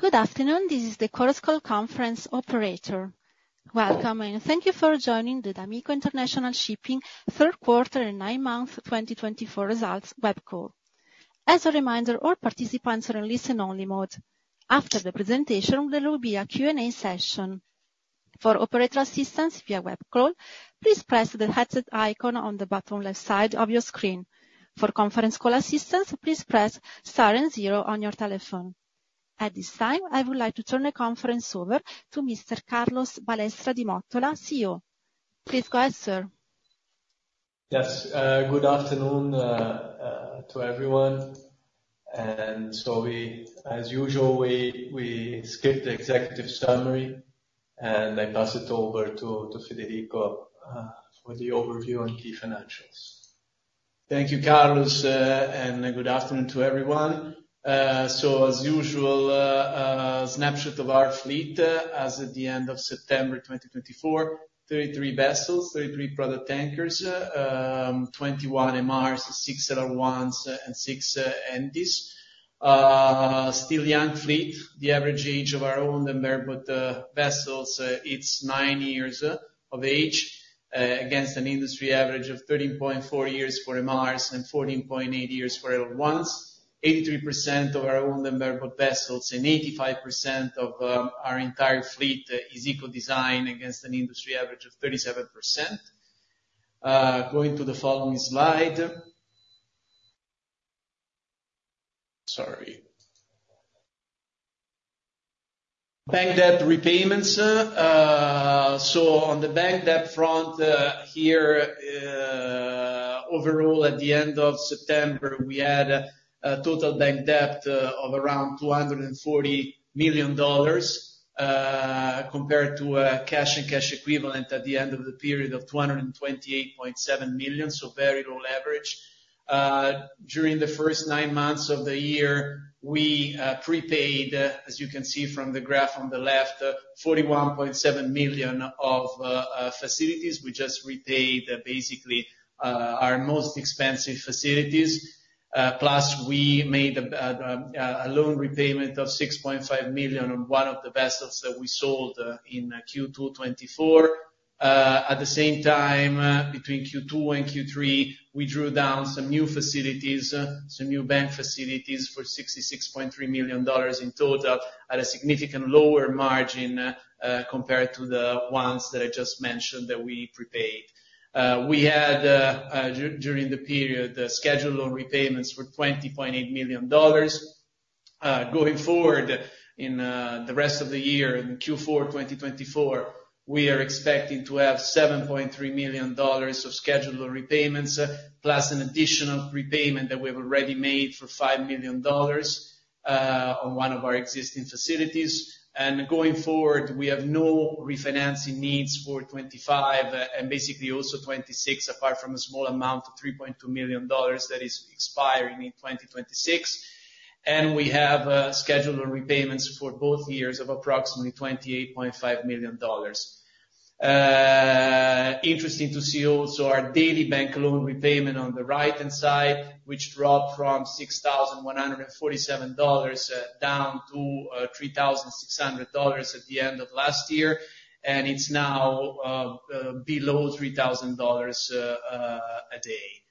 Good afternoon, this is the Chorus Call conference operator. Welcome and thank you for joining the d'Amico International Shipping Q3/2024 results web call. As a reminder, all participants are in listen-only mode. After the presentation, there will be a Q&A session. For operator assistance via web call, please press the headset icon on the bottom left side of your screen. For conference call assistance, please press star on your telephone. At this time, I would like to turn the conference over to Mr. Carlos Balestra di Mottola, CEO. Please go ahead, sir. Yes, good afternoon to everyone, and so we, as usual, skip the executive summary and I pass it over to Federico for the overview and key financials. Thank you, Carlos, and good afternoon to everyone. As usual, a snapshot of our fleet as of the end of September 2024: 33 vessels, 33 product tankers, 21 MRs, 6 LR1s, and 6 Handys. Still young fleet. The average age of our owned and bareboat vessels is 9 years of age against an industry average of 13.4 years for MRs and 14.8 years for LR1s. 83% of our owned and bareboat vessels and 85% of our entire fleet is eco-design against an industry average of 37%. Going to the following slide. Sorry. Bank debt repayments. On the bank debt front here, overall, at the end of September, we had a total bank debt of around $240 million compared to cash and cash equivalent at the end of the period of $228.7 million, so very low leverage. During the first nine months of the year, we prepaid, as you can see from the graph on the left, $41.7 million of facilities. We just repaid basically our most expensive facilities. Plus, we made a loan repayment of $6.5 million on one of the vessels that we sold in Q2 2024. At the same time, between Q2 and Q3, we drew down some new facilities, some new bank facilities for $66.3 million in total at a significantly lower margin compared to the ones that I just mentioned that we prepaid. We had, during the period, scheduled loan repayments for $20.8 million. Going forward in the rest of the year, in Q4/2024, we are expecting to have $7.3 million of scheduled loan repayments, plus an additional repayment that we have already made for $5 million on one of our existing facilities. And going forward, we have no refinancing needs for 2025 and basically also 2026, apart from a small amount of $3.2 million that is expiring in 2026. And we have scheduled repayments for both years of approximately $28.5 million. Interesting to see also our daily bank loan repayment on the right-hand side, which dropped from $6,147 down to $3,600 at the end of last year. And it's now below $3,000 a day.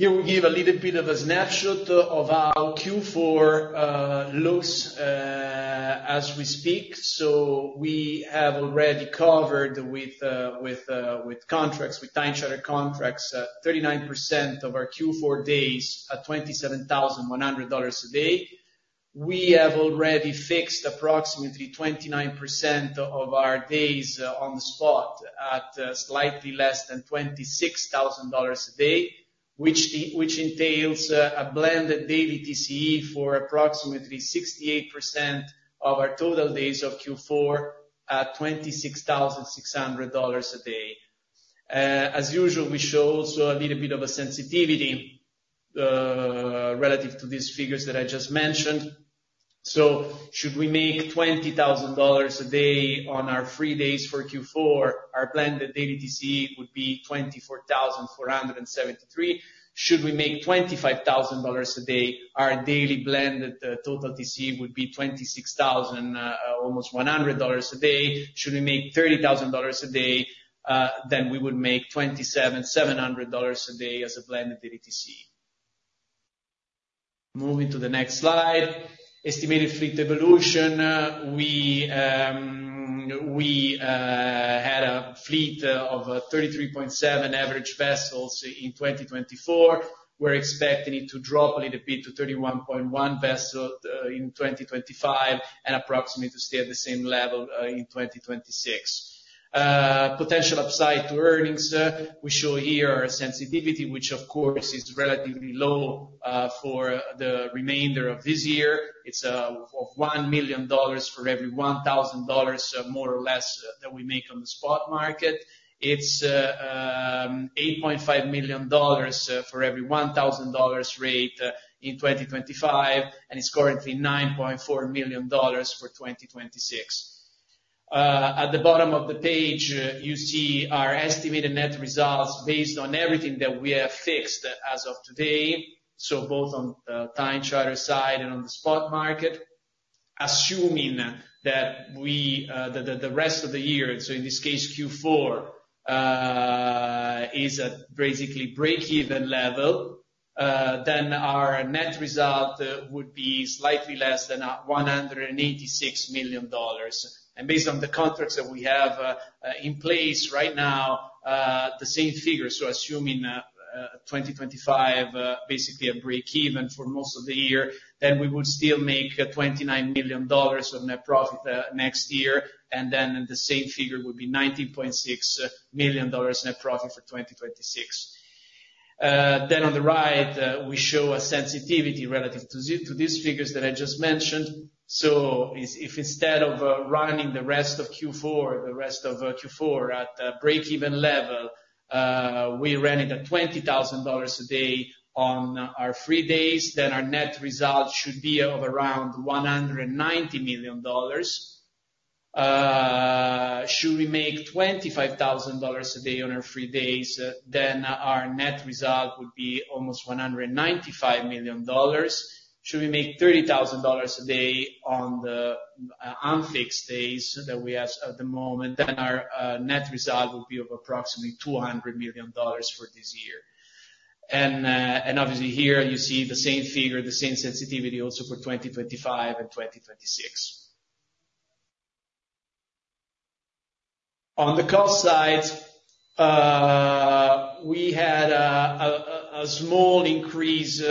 Here we give a little bit of a snapshot of how Q4 looks as we speak. So we have already covered with contracts, with time charter contracts, 39% of our Q4 days at $27,100 a day. We have already fixed approximately 29% of our days on the spot at slightly less than $26,000 a day, which entails a blended daily TCE for approximately 68% of our total days of Q4 at $26,600 a day. As usual, we show also a little bit of a sensitivity relative to these figures that I just mentioned. So should we make $20,000 a day on our free days for Q4, our blended daily TCE would be $24,473. Should we make $25,000 a day, our daily blended total TCE would be $26,000, almost $100 a day. Should we make $30,000 a day, then we would make $27,700 a day as a blended daily TCE. Moving to the next slide. Estimated fleet evolution. We had a fleet of 33.7 average vessels in 2024. We're expecting it to drop a little bit to 31.1 vessels in 2025 and approximately to stay at the same level in 2026. Potential upside to earnings. We show here our sensitivity, which, of course, is relatively low for the remainder of this year. It's $1 million for every $1,000 more or less that we make on the spot market. It's $8.5 million for every $1,000 rate in 2025, and it's currently $9.4 million for 2026. At the bottom of the page, you see our estimated net results based on everything that we have fixed as of today, so both on the time-charter side and on the spot market, assuming that the rest of the year, so in this case, Q4, is at basically break-even level. Then our net result would be slightly less than $186 million. Based on the contracts that we have in place right now, the same figure, so assuming 2025 basically a break-even for most of the year, then we would still make $29 million of net profit next year. The same figure would be $19.6 million net profit for 2026. On the right, we show a sensitivity relative to these figures that I just mentioned. If instead of running the rest of Q4 at break-even level, we ran it at $20,000 a day on our free days, then our net result should be of around $190 million. Should we make $25,000 a day on our free days, then our net result would be almost $195 million. Should we make $30,000 a day on the unfixed days that we have at the moment, then our net result would be of approximately $200 million for this year, and obviously here, you see the same figure, the same sensitivity also for 2025 and 2026. On the cost side, we had a small increase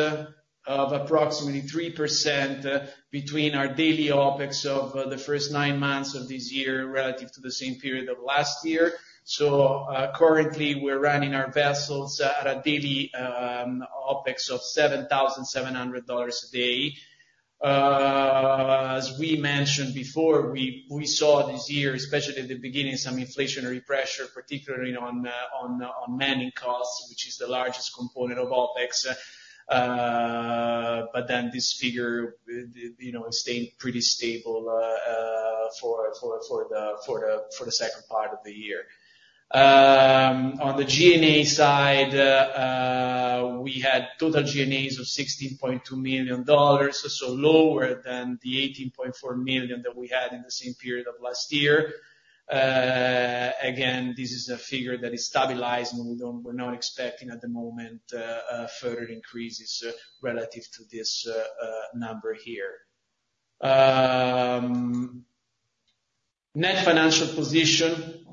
of approximately 3% between our daily OpEx of the first nine months of this year relative to the same period of last year, so currently, we're running our vessels at a daily OPEX of $7,700 a day. As we mentioned before, we saw this year, especially at the beginning, some inflationary pressure, particularly on manning costs, which is the largest component of OpEx, but then this figure stayed pretty stable for the second part of the year. On the G&A side, we had total G&As of $16.2 million, so lower than the $18.4 million that we had in the same period of last year. Again, this is a figure that is stabilizing. We're not expecting at the moment further increases relative to this number here. Net financial position.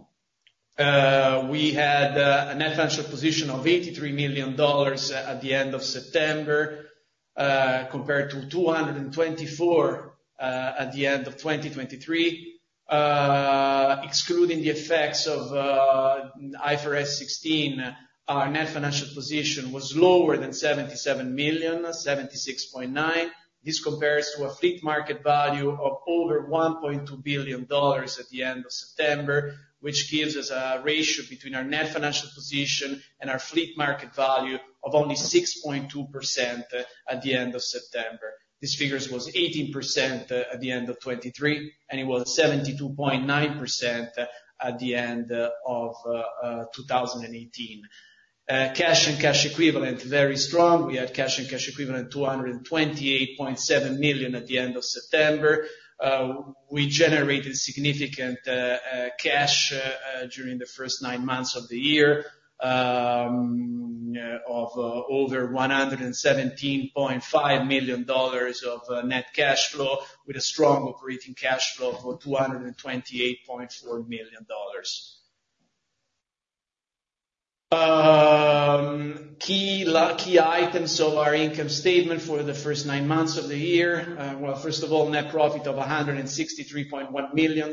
We had a net financial position of $83 million at the end of September compared to $224 million at the end of 2023. Excluding the effects of IFRS 16, our net financial position was lower than $77 million, $76.9 million. This compares to a fleet market value of over $1.2 billion at the end of September, which gives us a ratio between our net financial position and our fleet market value of only 6.2% at the end of September. This figure was 18% at the end of 2023, and it was 72.9% at the end of 2018. Cash and cash equivalents, very strong. We had cash and cash equivalents of $228.7 million at the end of September. We generated significant cash during the first nine months of the year of over $117.5 million of net cash flow, with a strong operating cash flow of $228.4 million. Key items of our income statement for the first nine months of the year. Well, first of all, net profit of $163.1 million,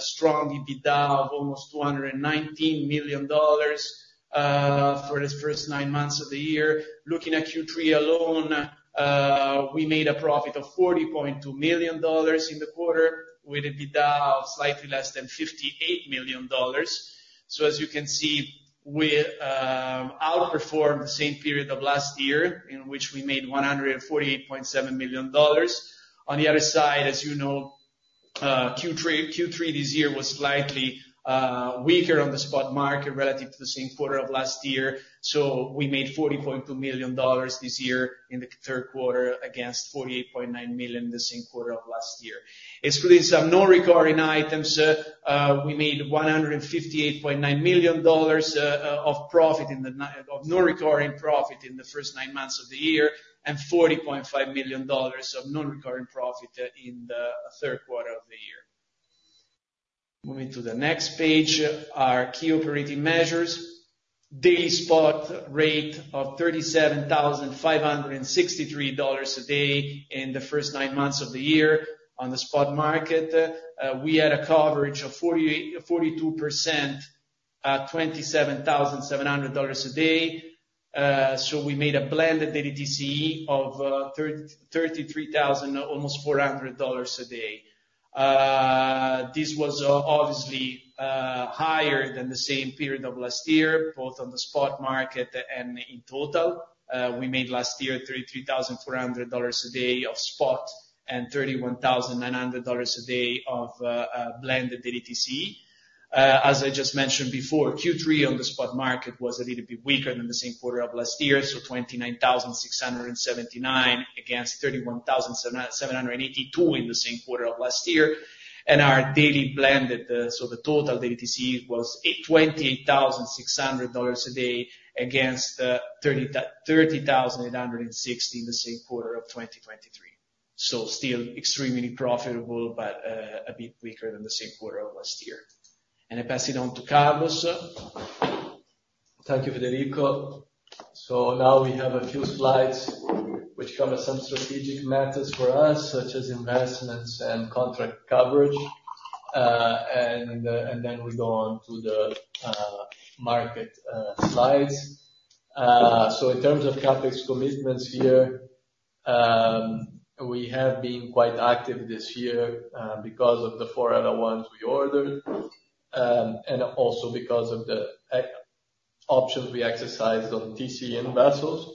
strong EBITDA of almost $219 million for the first nine months of the year. Looking at Q3 alone, we made a profit of $40.2 million in the quarter with EBITDA of slightly less than $58 million. So as you can see, we outperformed the same period of last year in which we made $148.7 million. On the other side, as you know, Q3 this year was slightly weaker on the spot market relative to the same quarter of last year. We made $40.2 million this year in the third quarter against $48.9 million in the same quarter of last year. Excluding some non-recurring items, we made $158.9 million of non-recurring profit in the first nine months of the year and $40.5 million of non-recurring profit in the third quarter of the year. Moving to the next page, our key operating measures. Daily spot rate of $37,563 a day in the first nine months of the year on the spot market. We had a coverage of 42% at $27,700 a day. So we made a blended daily TCE of $33,000, almost $400 a day. This was obviously higher than the same period of last year, both on the spot market and in total. We made last year $33,400 a day of spot and $31,900 a day of blended daily TCE. As I just mentioned before, Q3 on the spot market was a little bit weaker than the same quarter of last year, so $29,679 against $31,782 in the same quarter of last year. And our daily blended, so the total daily TCE was $28,600 a day against $30,860 in the same quarter of 2023. So still extremely profitable, but a bit weaker than the same quarter of last year. And I pass it on to Carlos. Thank you, Federico. So now we have a few slides which cover some strategic methods for us, such as investments and contract coverage. And then we go on to the market slides. So in terms of CapEx commitments here, we have been quite active this year because of the four LR1s we ordered and also because of the options we exercised on TC investments.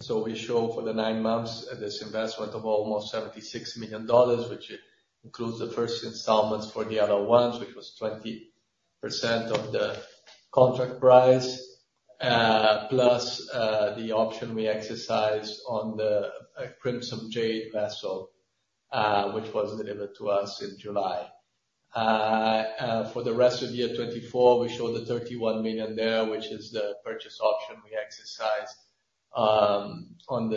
So we show for the nine months this investment of almost $76 million, which includes the first installments for the LR1s, which was 20% of the contract price, plus the option we exercised on the Crimson Jade vessel, which was delivered to us in July. For the rest of year 2024, we show the $31 million there, which is the purchase option we exercised on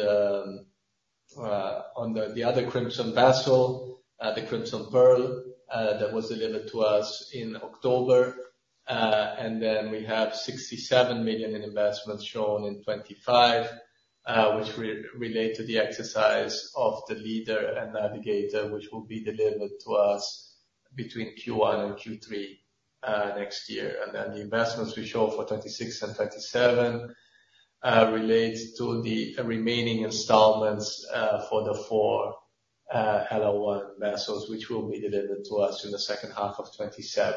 the other Crimson vessel, the Crimson Pearl, that was delivered to us in October. And then we have $67 million in investments shown in 2025, which relate to the exercise of the High Leader and High Navigator, which will be delivered to us between Q1 and Q3 next year. The investments we show for 2026 and 2027 relate to the remaining installments for the four LR1 vessels, which will be delivered to us in the second half of 2027.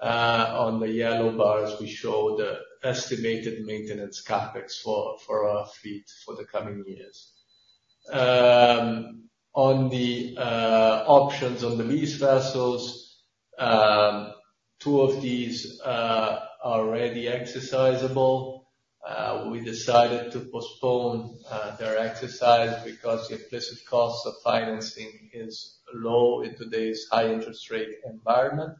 On the yellow bars, we show the estimated maintenance CapEx for our fleet for the coming years. On the options on the lease vessels, two of these are already exercisable. We decided to postpone their exercise because the implicit cost of financing is low in today's high-interest rate environment.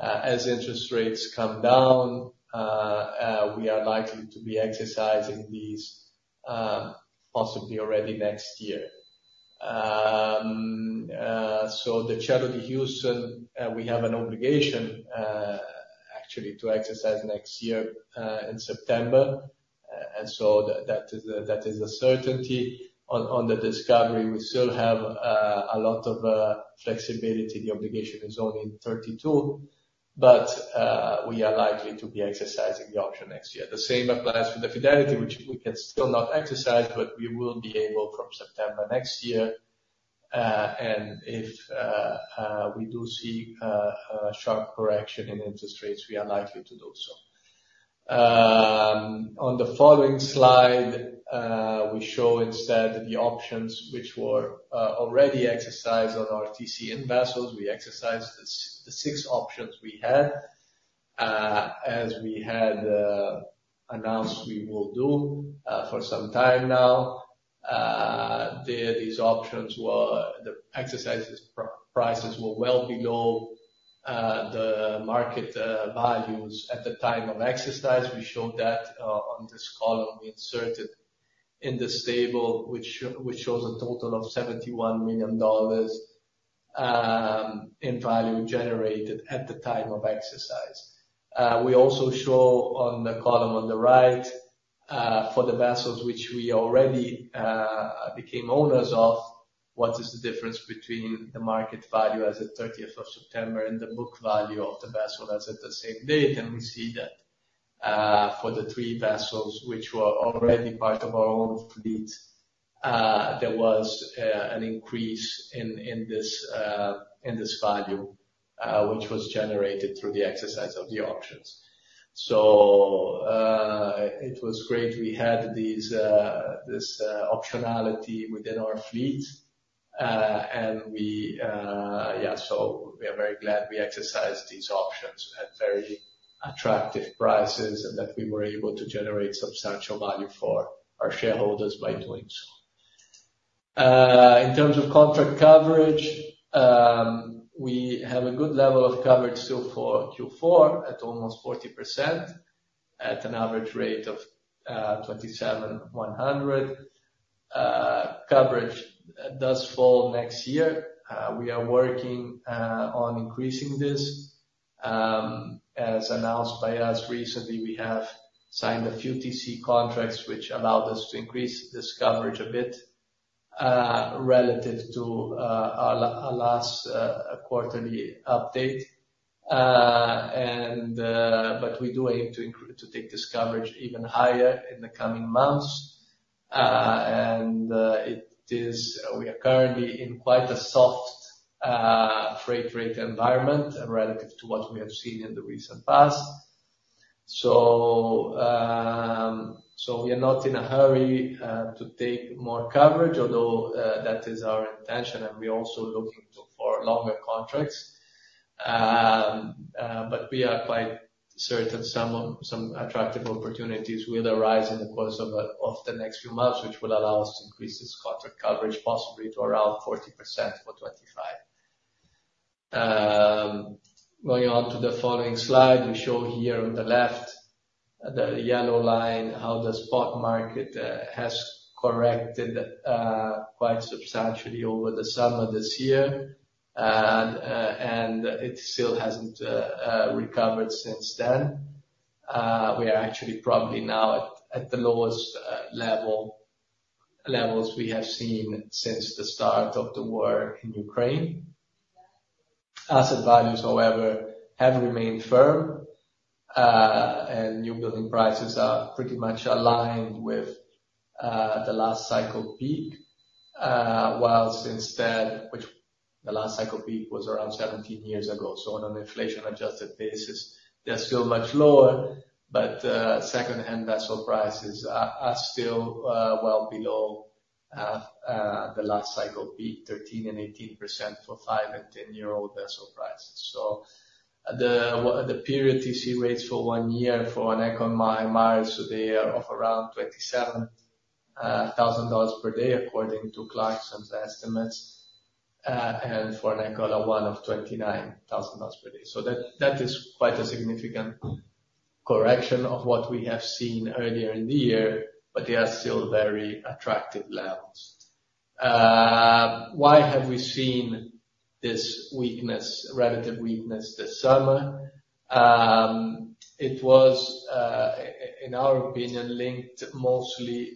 As interest rates come down, we are likely to be exercising these possibly already next year. The High Chattanooga and High Houston, we have an obligation actually to exercise next year in September. That is a certainty. On the High Discovery, we still have a lot of flexibility. The obligation is only in 2032, but we are likely to be exercising the option next year. The same applies for the High Fidelity, which we can still not exercise, but we will be able from September next year. If we do see a sharp correction in interest rates, we are likely to do so. On the following slide, we show instead the options which were already exercised on our TCE investments. We exercised the six options we had, as we had announced we will do for some time now. These options were the exercise prices were well below the market values at the time of exercise. We showed that on this column we inserted in the table, which shows a total of $71 million in value generated at the time of exercise. We also show on the column on the right for the vessels which we already became owners of, what is the difference between the market value as of 30th of September and the book value of the vessel as of the same date. And we see that for the three vessels which were already part of our own fleet, there was an increase in this value, which was generated through the exercise of the options. So it was great we had this optionality within our fleet. And yeah, so we are very glad we exercised these options at very attractive prices and that we were able to generate substantial value for our shareholders by doing so. In terms of contract coverage, we have a good level of coverage still for Q4 at almost 40% at an average rate of $27,100. Coverage does fall next year. We are working on increasing this. As announced by us recently, we have signed a few TC contracts which allowed us to increase this coverage a bit relative to our last quarterly update. But we do aim to take this coverage even higher in the coming months. And we are currently in quite a soft freight rate environment relative to what we have seen in the recent past. So we are not in a hurry to take more coverage, although that is our intention. And we're also looking for longer contracts. But we are quite certain some attractive opportunities will arise in the course of the next few months, which will allow us to increase this contract coverage possibly to around 40% for 2025. Going on to the following slide, we show here on the left, the yellow line, how the spot market has corrected quite substantially over the summer this year. It still hasn't recovered since then. We are actually probably now at the lowest levels we have seen since the start of the war in Ukraine. Asset values, however, have remained firm. New building prices are pretty much aligned with the last cycle peak, while instead, which the last cycle peak was around 17 years ago. On an inflation-adjusted basis, they're still much lower, but second-hand vessel prices are still well below the last cycle peak, 13% and 18% for five- and ten-year-old vessel prices. The period TC rates for one year for an eco MR today are of around $27,000 per day according to Clarksons estimates. For an Eco LR1 of $29,000 per day. So that is quite a significant correction of what we have seen earlier in the year, but they are still very attractive levels. Why have we seen this relative weakness this summer? It was, in our opinion, linked mostly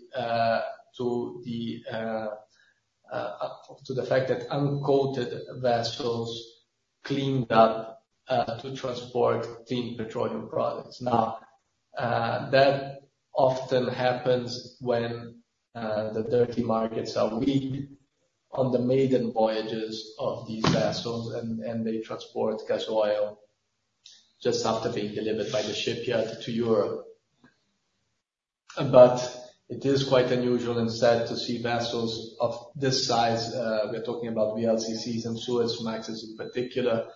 to the fact that uncoated vessels cleaned up to transport clean petroleum products. Now, that often happens when the dirty markets are weak on the maiden voyages of these vessels, and they transport gas oil just after being delivered by the shipyard to Europe. But it is quite unusual and sad to see vessels of this size. We're talking about VLCCs and Suezmaxes in particular,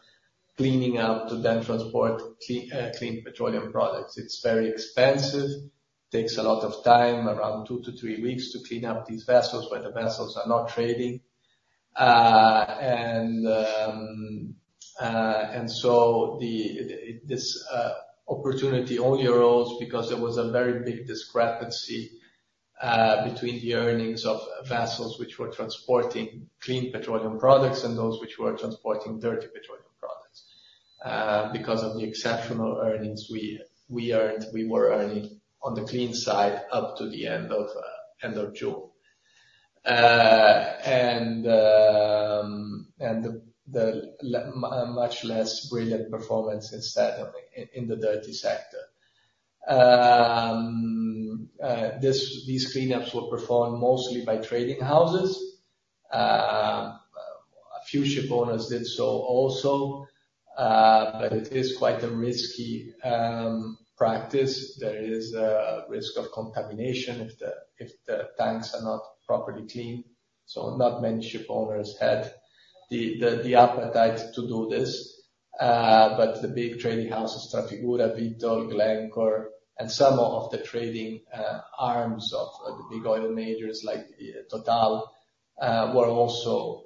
cleaning up to then transport clean petroleum products. It's very expensive. It takes a lot of time, around two to three weeks, to clean up these vessels when the vessels are not trading. And so this opportunity only arose because there was a very big discrepancy between the earnings of vessels which were transporting clean petroleum products and those which were transporting dirty petroleum products because of the exceptional earnings we were earning on the clean side up to the end of June. And much less brilliant performance instead in the dirty sector. These cleanups were performed mostly by trading houses. A few ship owners did so also, but it is quite a risky practice. There is a risk of contamination if the tanks are not properly cleaned. So not many ship owners had the appetite to do this. But the big trading houses Trafigura, Vitol, Glencore, and some of the trading arms of the big oil majors like Total were also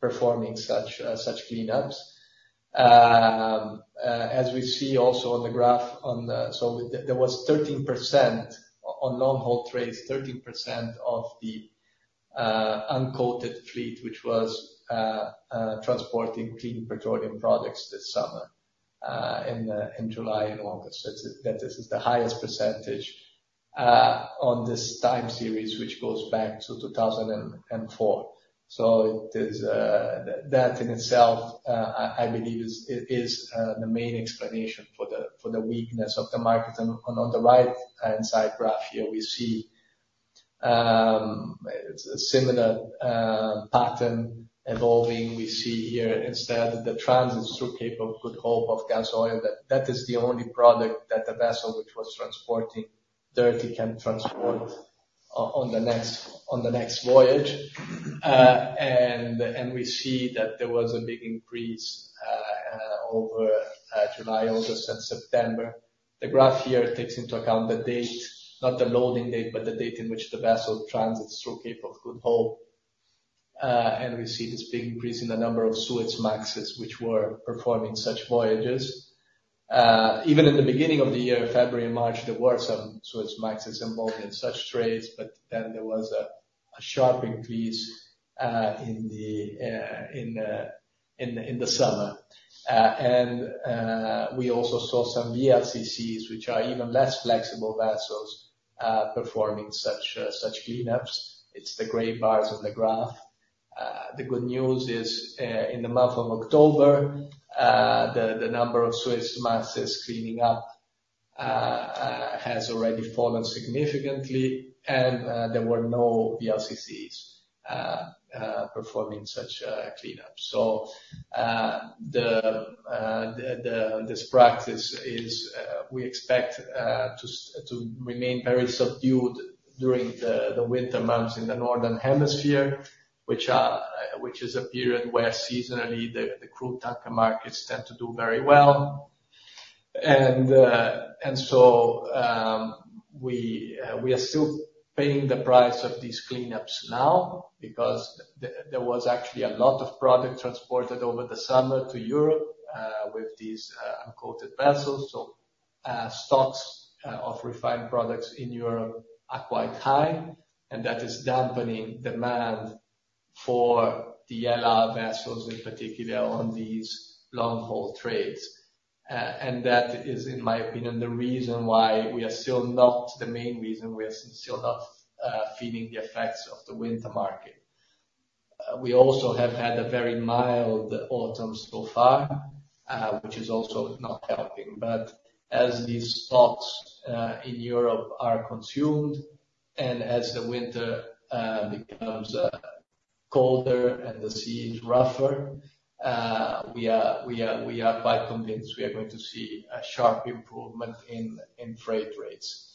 performing such cleanups. As we see also on the graph, there was 13% on long-haul trades, 13% of the uncoated fleet which was transporting clean petroleum products this summer in July and August. This is the highest percentage on this time series, which goes back to 2004. That in itself, I believe, is the main explanation for the weakness of the market. On the right-hand side graph here, we see a similar pattern evolving. We see here instead the transit through Cape of Good Hope of gas oil. That is the only product that the vessel which was transporting dirty can transport on the next voyage. We see that there was a big increase over July, August, and September. The graph here takes into account the date, not the loading date, but the date in which the vessel transits through Cape of Good Hope. We see this big increase in the number of Suezmaxes which were performing such voyages. Even in the beginning of the year, February and March, there were some Suezmaxes involved in such trades, but then there was a sharp increase in the summer. And we also saw some VLCCs, which are even less flexible vessels, performing such cleanups. It's the gray bars on the graph. The good news is in the month of October, the number of Suezmaxes cleaning up has already fallen significantly, and there were no VLCCs performing such cleanups. So this practice is we expect to remain very subdued during the winter months in the Northern Hemisphere, which is a period where seasonally the crude tanker markets tend to do very well. And so we are still paying the price of these cleanups now because there was actually a lot of product transported over the summer to Europe with these uncoated vessels. So stocks of refined products in Europe are quite high, and that is dampening demand for the LR vessels, in particular on these long-haul trades. And that is, in my opinion, the main reason we are still not feeling the effects of the winter market. We also have had a very mild autumn so far, which is also not helping. But as these stocks in Europe are consumed and as the winter becomes colder and the sea is rougher, we are quite convinced we are going to see a sharp improvement in freight rates.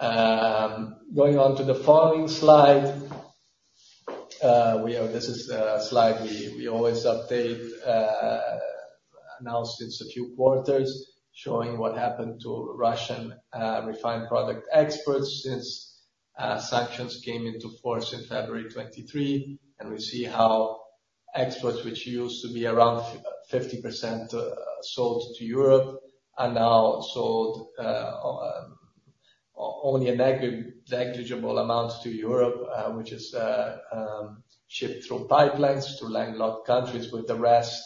Going on to the following slide, this is the slide we always update, announced in a few quarters, showing what happened to Russian refined product exports since sanctions came into force in February 2023, and we see how exports, which used to be around 50% sold to Europe, are now sold only a negligible amount to Europe, which is shipped through pipelines to landlocked countries, with the rest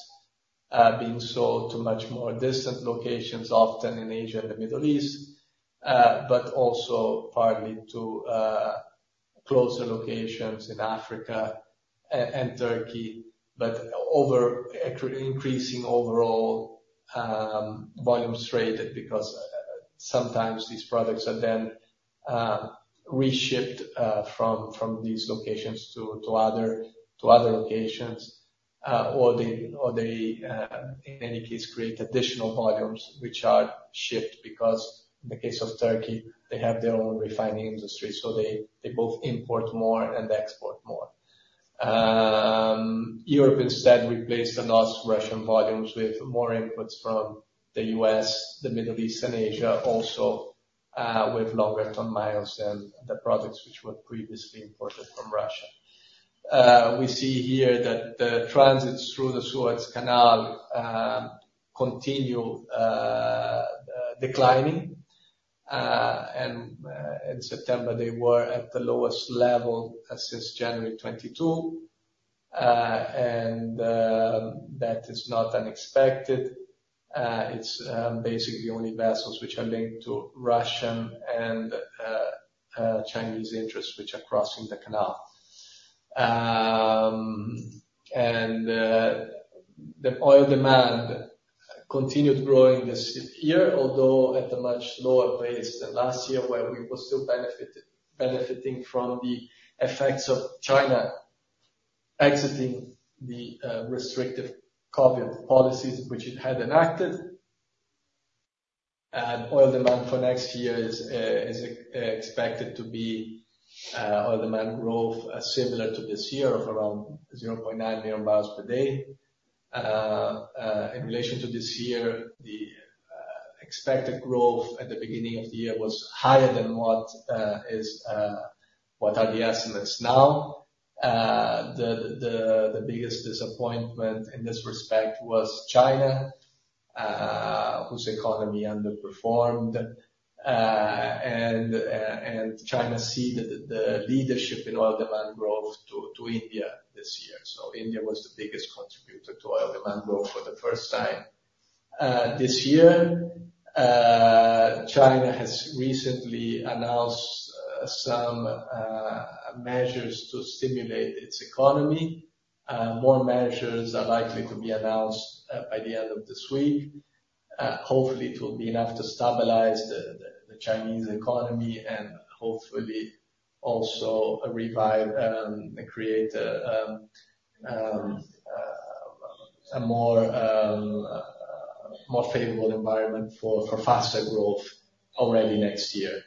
being sold to much more distant locations, often in Asia and the Middle East, but also partly to closer locations in Africa and Turkey, but increasing overall volumes traded because sometimes these products are then reshipped from these locations to other locations, or they, in any case, create additional volumes which are shipped because, in the case of Turkey, they have their own refining industry, so they both import more and export more. Europe instead replaced the North Russian volumes with more imports from the U.S., the Middle East, and Asia, also with longer ton-miles than the products which were previously imported from Russia. We see here that the transits through the Suez Canal continue declining. And in September, they were at the lowest level since January 2022. And that is not unexpected. It's basically only vessels which are linked to Russian and Chinese interests which are crossing the canal. And the oil demand continued growing this year, although at a much slower pace than last year, where we were still benefiting from the effects of China exiting the restrictive COVID policies which it had enacted. Oil demand for next year is expected to be oil demand growth similar to this year of around 0.9 million barrels per day. In relation to this year, the expected growth at the beginning of the year was higher than what are the estimates now. The biggest disappointment in this respect was China, whose economy underperformed. And China ceded the leadership in oil demand growth to India this year. So India was the biggest contributor to oil demand growth for the first time this year. China has recently announced some measures to stimulate its economy. More measures are likely to be announced by the end of this week. Hopefully, it will be enough to stabilize the Chinese economy and hopefully also create a more favorable environment for faster growth already next year.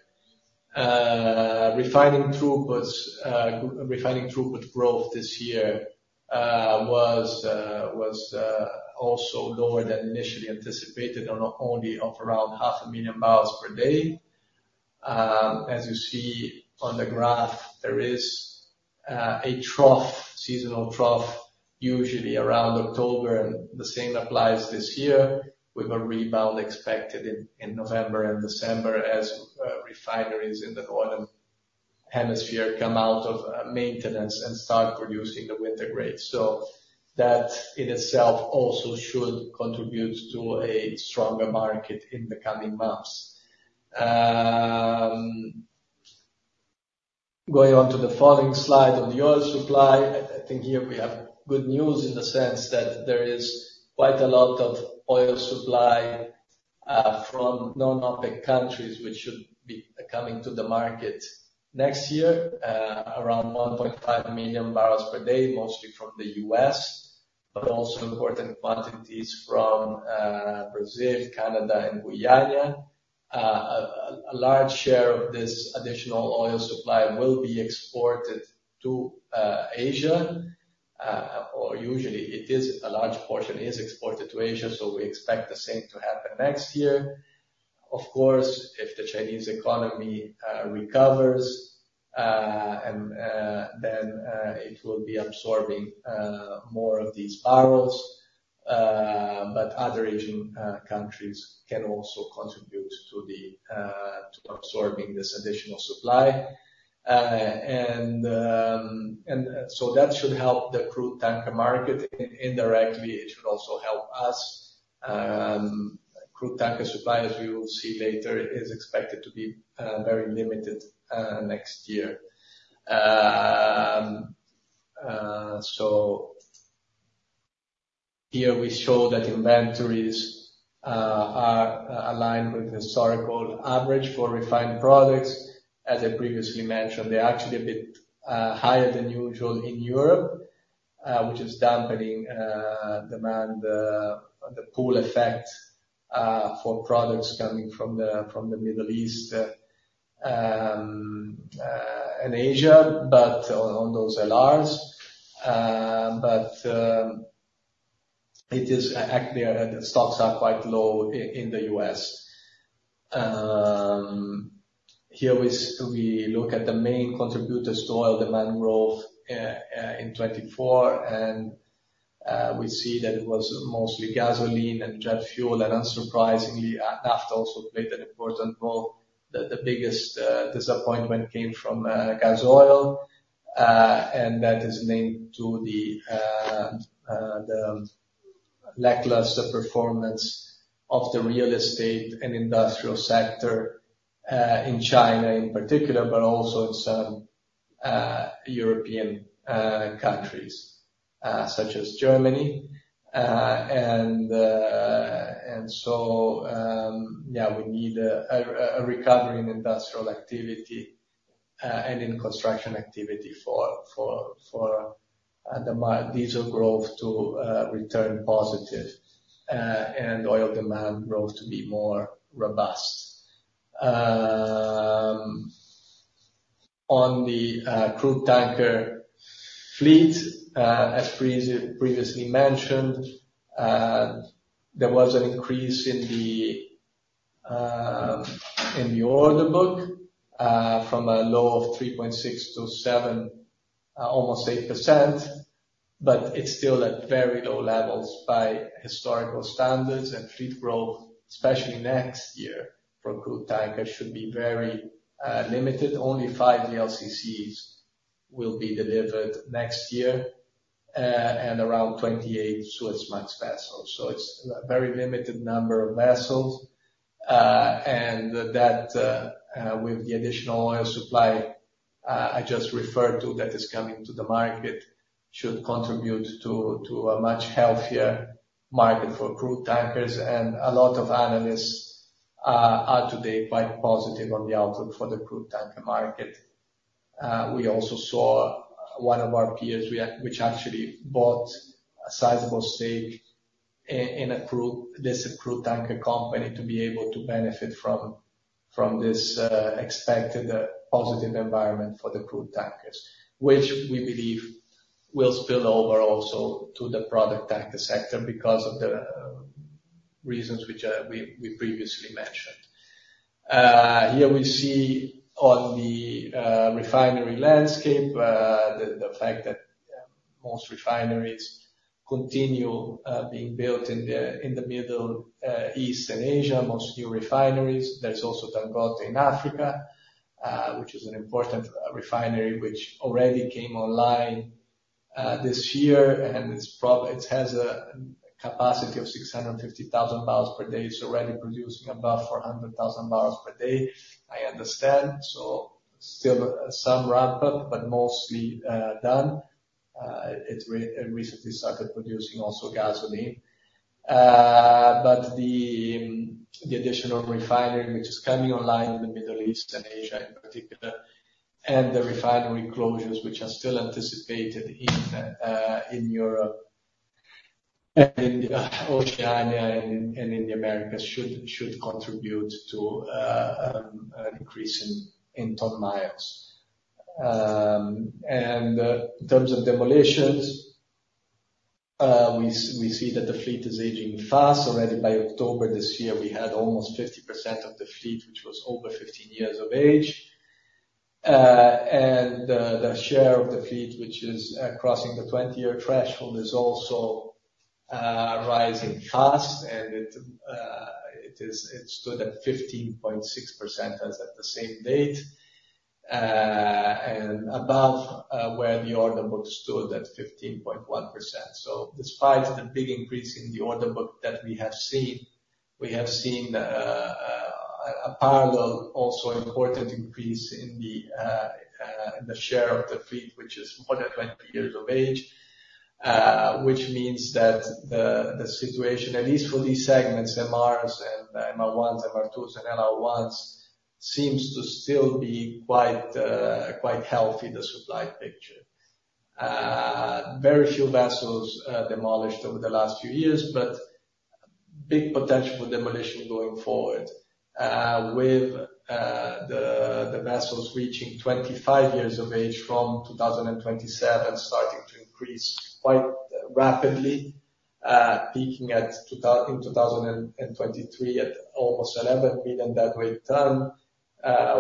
Refining throughput growth this year was also lower than initially anticipated, only around 500,000 barrels per day. As you see on the graph, there is a seasonal trough, usually around October. And the same applies this year, with a rebound expected in November and December as refineries in the Northern Hemisphere come out of maintenance and start producing the winter grades. So that in itself also should contribute to a stronger market in the coming months. Going on to the following slide on the oil supply, I think here we have good news in the sense that there is quite a lot of oil supply from non-OPEC countries which should be coming to the market next year, around 1.5 million barrels per day, mostly from the US, but also important quantities from Brazil, Canada, and Guyana. A large share of this additional oil supply will be exported to Asia, or usually it is a large portion exported to Asia. So we expect the same to happen next year. Of course, if the Chinese economy recovers, then it will be absorbing more of these barrels. But other Asian countries can also contribute to absorbing this additional supply. And so that should help the crude tanker market indirectly. It should also help us. Crude tanker supply, as we will see later, is expected to be very limited next year. So here we show that inventories are aligned with historical average for refined products. As I previously mentioned, they're actually a bit higher than usual in Europe, which is dampening the pool effect for products coming from the Middle East and Asia, but on those LRs. But the stocks are quite low in the U.S. Here we look at the main contributors to oil demand growth in 2024, and we see that it was mostly gasoline and jet fuel. And unsurprisingly, naphtha also played an important role. The biggest disappointment came from gas oil, and that is linked to the lackluster performance of the real estate and industrial sector in China in particular, but also in some European countries such as Germany, and so, yeah, we need a recovery in industrial activity and in construction activity for the diesel growth to return positive and oil demand growth to be more robust. On the crude tanker fleet, as previously mentioned, there was an increase in the order book from a low of 3.6% to 7%, almost 8%, but it's still at very low levels by historical standards, and fleet growth, especially next year for crude tanker, should be very limited. Only five VLCCs will be delivered next year and around 28 Suezmax vessels, so it's a very limited number of vessels. That, with the additional oil supply I just referred to that is coming to the market, should contribute to a much healthier market for crude tankers. A lot of analysts are today quite positive on the outlook for the crude tanker market. We also saw one of our peers, which actually bought a sizable stake in this crude tanker company, to be able to benefit from this expected positive environment for the crude tankers, which we believe will spill over also to the product tanker sector because of the reasons which we previously mentioned. Here we see on the refinery landscape the fact that most refineries continue being built in the Middle East and Asia, most new refineries. There's also Dangote in Africa, which is an important refinery which already came online this year, and it has a capacity of 650,000 barrels per day. It's already producing above 400,000 barrels per day, I understand, so still some ramp-up, but mostly done. It recently started producing also gasoline, but the additional refinery which is coming online in the Middle East and Asia in particular, and the refinery closures which are still anticipated in Europe and in Oceania and in the Americas should contribute to an increase in ton miles, and in terms of demolitions, we see that the fleet is aging fast. Already by October this year, we had almost 50% of the fleet which was over 15 years of age, and the share of the fleet which is crossing the 20-year threshold is also rising fast, and it stood at 15.6% as of the same date and above where the order book stood at 15.1%. Despite the big increase in the order book that we have seen, we have seen a parallel, also important increase in the share of the fleet which is more than 20 years of age, which means that the situation, at least for these segments, MRs and LR1s, LR2s, and LR1s, seems to still be quite healthy, the supply picture. Very few vessels demolished over the last few years, but big potential for demolition going forward, with the vessels reaching 25 years of age from 2027, starting to increase quite rapidly, peaking in 2023 at almost 11 million dwt,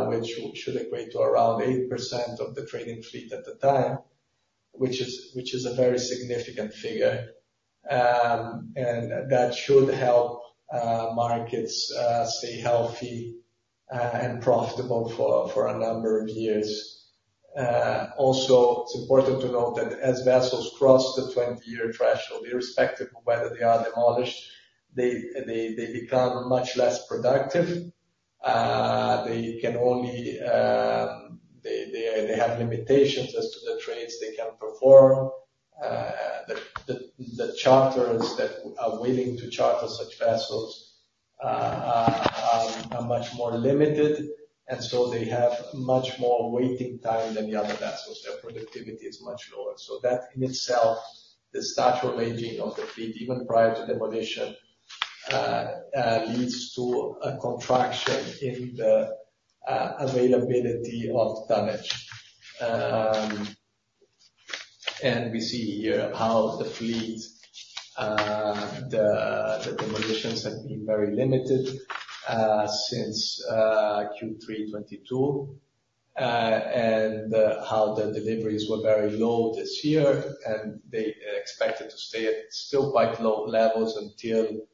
which should equate to around 8% of the trading fleet at the time, which is a very significant figure. That should help markets stay healthy and profitable for a number of years. Also, it's important to note that as vessels cross the 20-year threshold, irrespective of whether they are demolished, they become much less productive. They have limitations as to the trades they can perform. The charters that are willing to charter such vessels are much more limited, and so they have much more waiting time than the other vessels. Their productivity is much lower. So that in itself, the structural aging of the fleet, even prior to demolition, leads to a contraction in the availability of tonnage. And we see here how the fleet, the demolitions have been very limited since Q3 2022, and how the deliveries were very low this year. And they expected to stay at still quite low levels until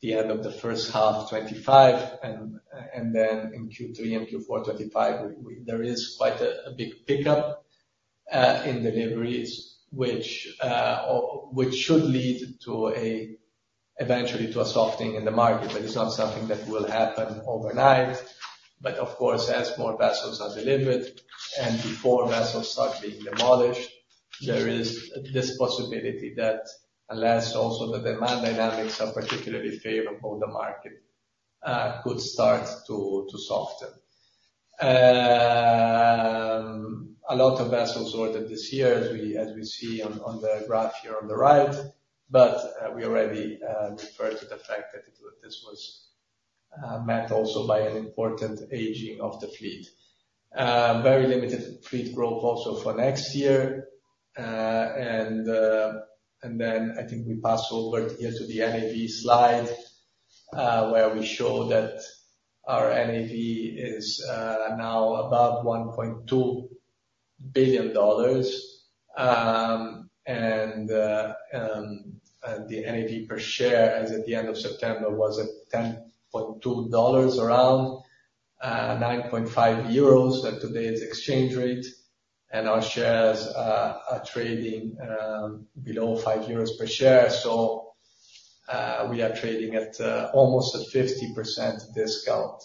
the end of the first half 2025. And then in Q3 and Q4 2025, there is quite a big pickup in deliveries, which should lead eventually to a softening in the market. But it's not something that will happen overnight. But of course, as more vessels are delivered and before vessels start being demolished, there is this possibility that unless also the demand dynamics are particularly favorable, the market could start to soften. A lot of vessels ordered this year, as we see on the graph here on the right. But we already referred to the fact that this was met also by an important aging of the fleet. Very limited fleet growth also for next year. And then I think we pass over here to the NAV slide, where we show that our NAV is now above $1.2 billion. The NAV per share, as at the end of September, was at $10.2, around 9.5 euros at today's exchange rate. Our shares are trading below 5 euros per share. We are trading at almost a 50% discount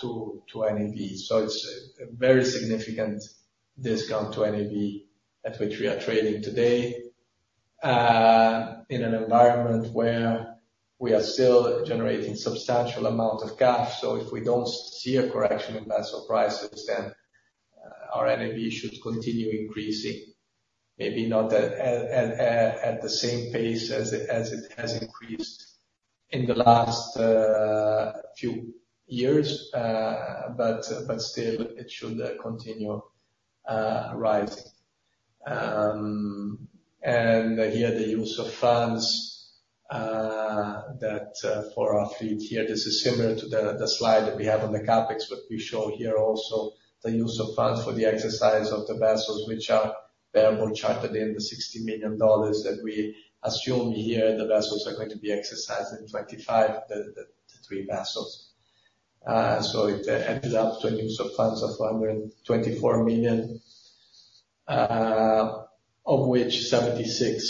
to NAV. It's a very significant discount to NAV at which we are trading today in an environment where we are still generating a substantial amount of cash. If we don't see a correction in vessel prices, then our NAV should continue increasing, maybe not at the same pace as it has increased in the last few years, but still it should continue rising. Here, the use of funds for our fleet. Here, this is similar to the slide that we have on the Clarksons, but we show here also the use of funds for the exercise of the vessels, which are bareboat chartered, in the $60 million that we assume here the vessels are going to be exercised in 2025, the three vessels. It adds up to a use of funds of $124 million, of which $76 million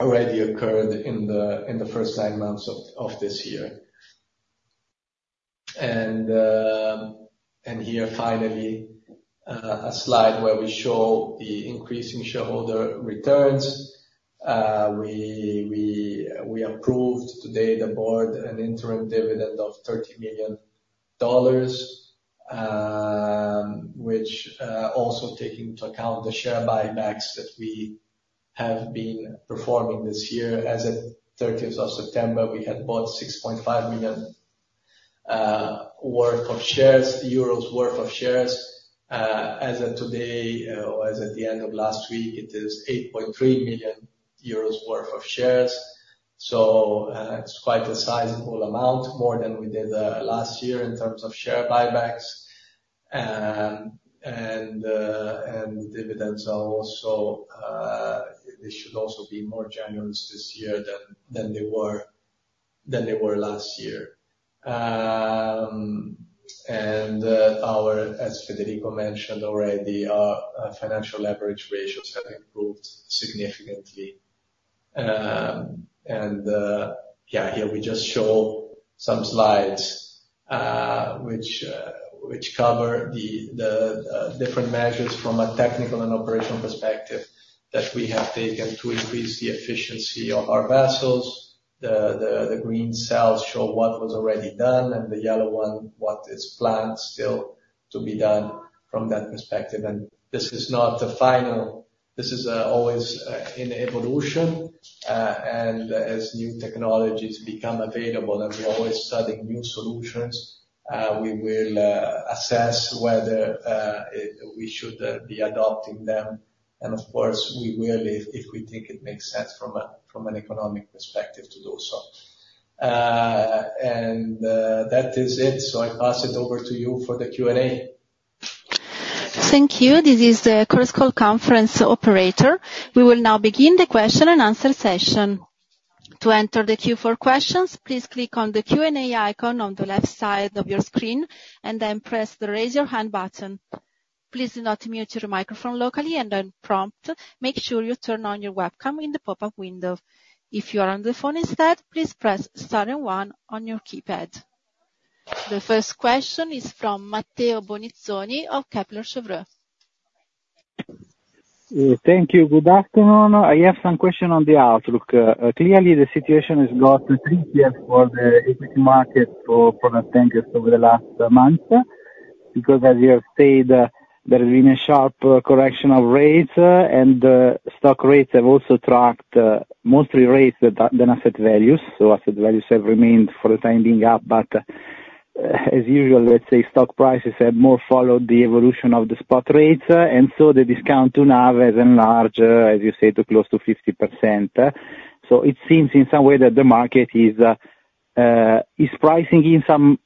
already occurred in the first nine months of this year. Here finally, a slide where we show the increasing shareholder returns. We approved today the board an interim dividend of $30 million, which also taking into account the share buybacks that we have been performing this year. As of 30th of September, we had bought 6.5 million worth of shares. As of today, or as at the end of last week, it is 8.3 million euros worth of shares. It's quite a sizable amount, more than we did last year in terms of share buybacks. The dividends are also. They should also be more generous this year than they were last year. Our, as Federico mentioned already, our financial leverage ratios have improved significantly. Yeah, here we just show some slides which cover the different measures from a technical and operational perspective that we have taken to increase the efficiency of our vessels. The green cells show what was already done, and the yellow one what is planned still to be done from that perspective. This is not the final. This is always in evolution. And as new technologies become available and we're always studying new solutions, we will assess whether we should be adopting them. And of course, we will if we think it makes sense from an economic perspective to do so. And that is it. So I pass it over to you for the Q&A. Thank you. This is the Chorus Call Conference Operator. We will now begin the question and answer session. To enter the Q&A questions, please click on the Q&A icon on the left side of your screen and then press the raise your hand button. Please do not mute your microphone locally and then promptly make sure you turn on your webcam in the pop-up window. If you are on the phone instead, please press star and one on your keypad. The first question is from Matteo Bonizzoni of Kepler Cheuvreux. Thank you. Good afternoon. I have some questions on the outlook. Clearly, the situation has gotten trickier for the equity market for product tankers over the last month because, as you have said, there has been a sharp correction of rates, and stock prices have also tracked rates more than asset values. So asset values have remained up for the time being. But as usual, let's say stock prices have more followed the evolution of the spot rates. And so the discount to NAV has enlarged, as you said, to close to 50%. So it seems in some way that the market is pricing in some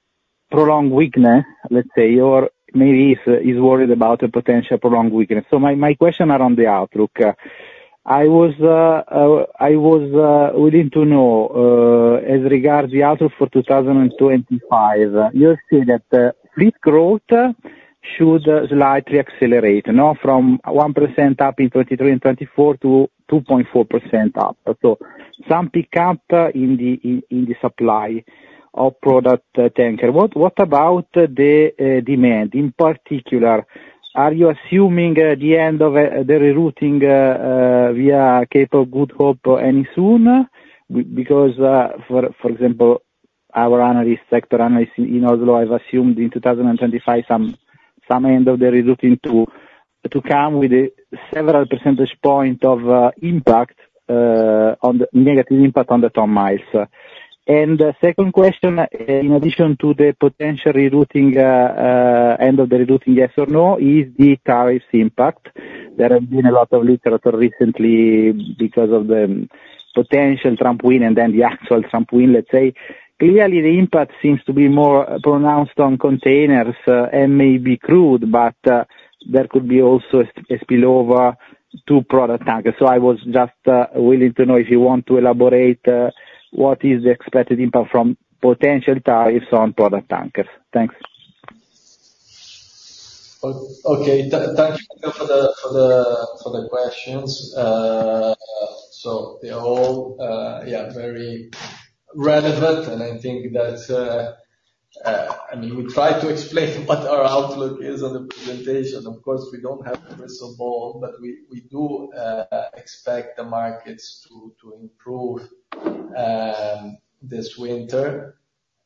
prolonged weakness, let's say, or maybe is worried about a potential prolonged weakness. So my question around the outlook, I was willing to know as regards the outlook for 2025. You've seen that fleet growth should slightly accelerate, from 1% up in 2023 and 2024 to 2.4% up. So some pickup in the supply of product tankers. What about the demand in particular? Are you assuming the end of the rerouting via Cape of Good Hope any time soon? Because, for example, our analyst, sector analyst in Oslo, I've assumed in 2025 some end of the rerouting to come with several percentage points of impact, negative impact on the ton-miles. And the second question, in addition to the potential rerouting, end of the rerouting, yes or no, is the tariffs impact? There has been a lot of literature recently because of the potential Trump win and then the actual Trump win, let's say. Clearly, the impact seems to be more pronounced on containers and maybe crude, but there could be also spillover to product tankers. I was just wondering if you want to elaborate what is the expected impact from potential tariffs on product tankers? Thanks. Okay. Thank you for the questions. So they're all, yeah, very relevant. And I think that, I mean, we try to explain what our outlook is on the presentation. Of course, we don't have a crystal ball, but we do expect the markets to improve this winter.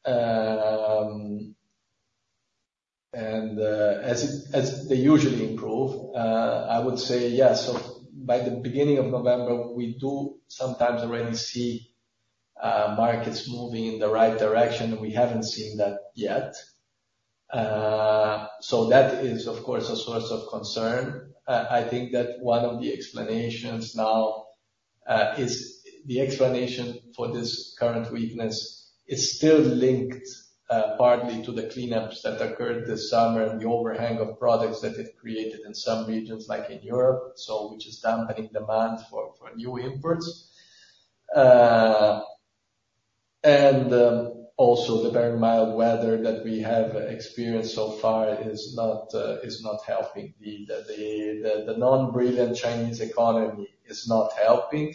And as they usually improve, I would say, yes, by the beginning of November, we do sometimes already see markets moving in the right direction. We haven't seen that yet. So that is, of course, a source of concern. I think that one of the explanations now is the explanation for this current weakness is still linked partly to the cleanups that occurred this summer and the overhang of products that it created in some regions, like in Europe, which is dampening demand for new imports. And also the very mild weather that we have experienced so far is not helping. The non-brilliant Chinese economy is not helping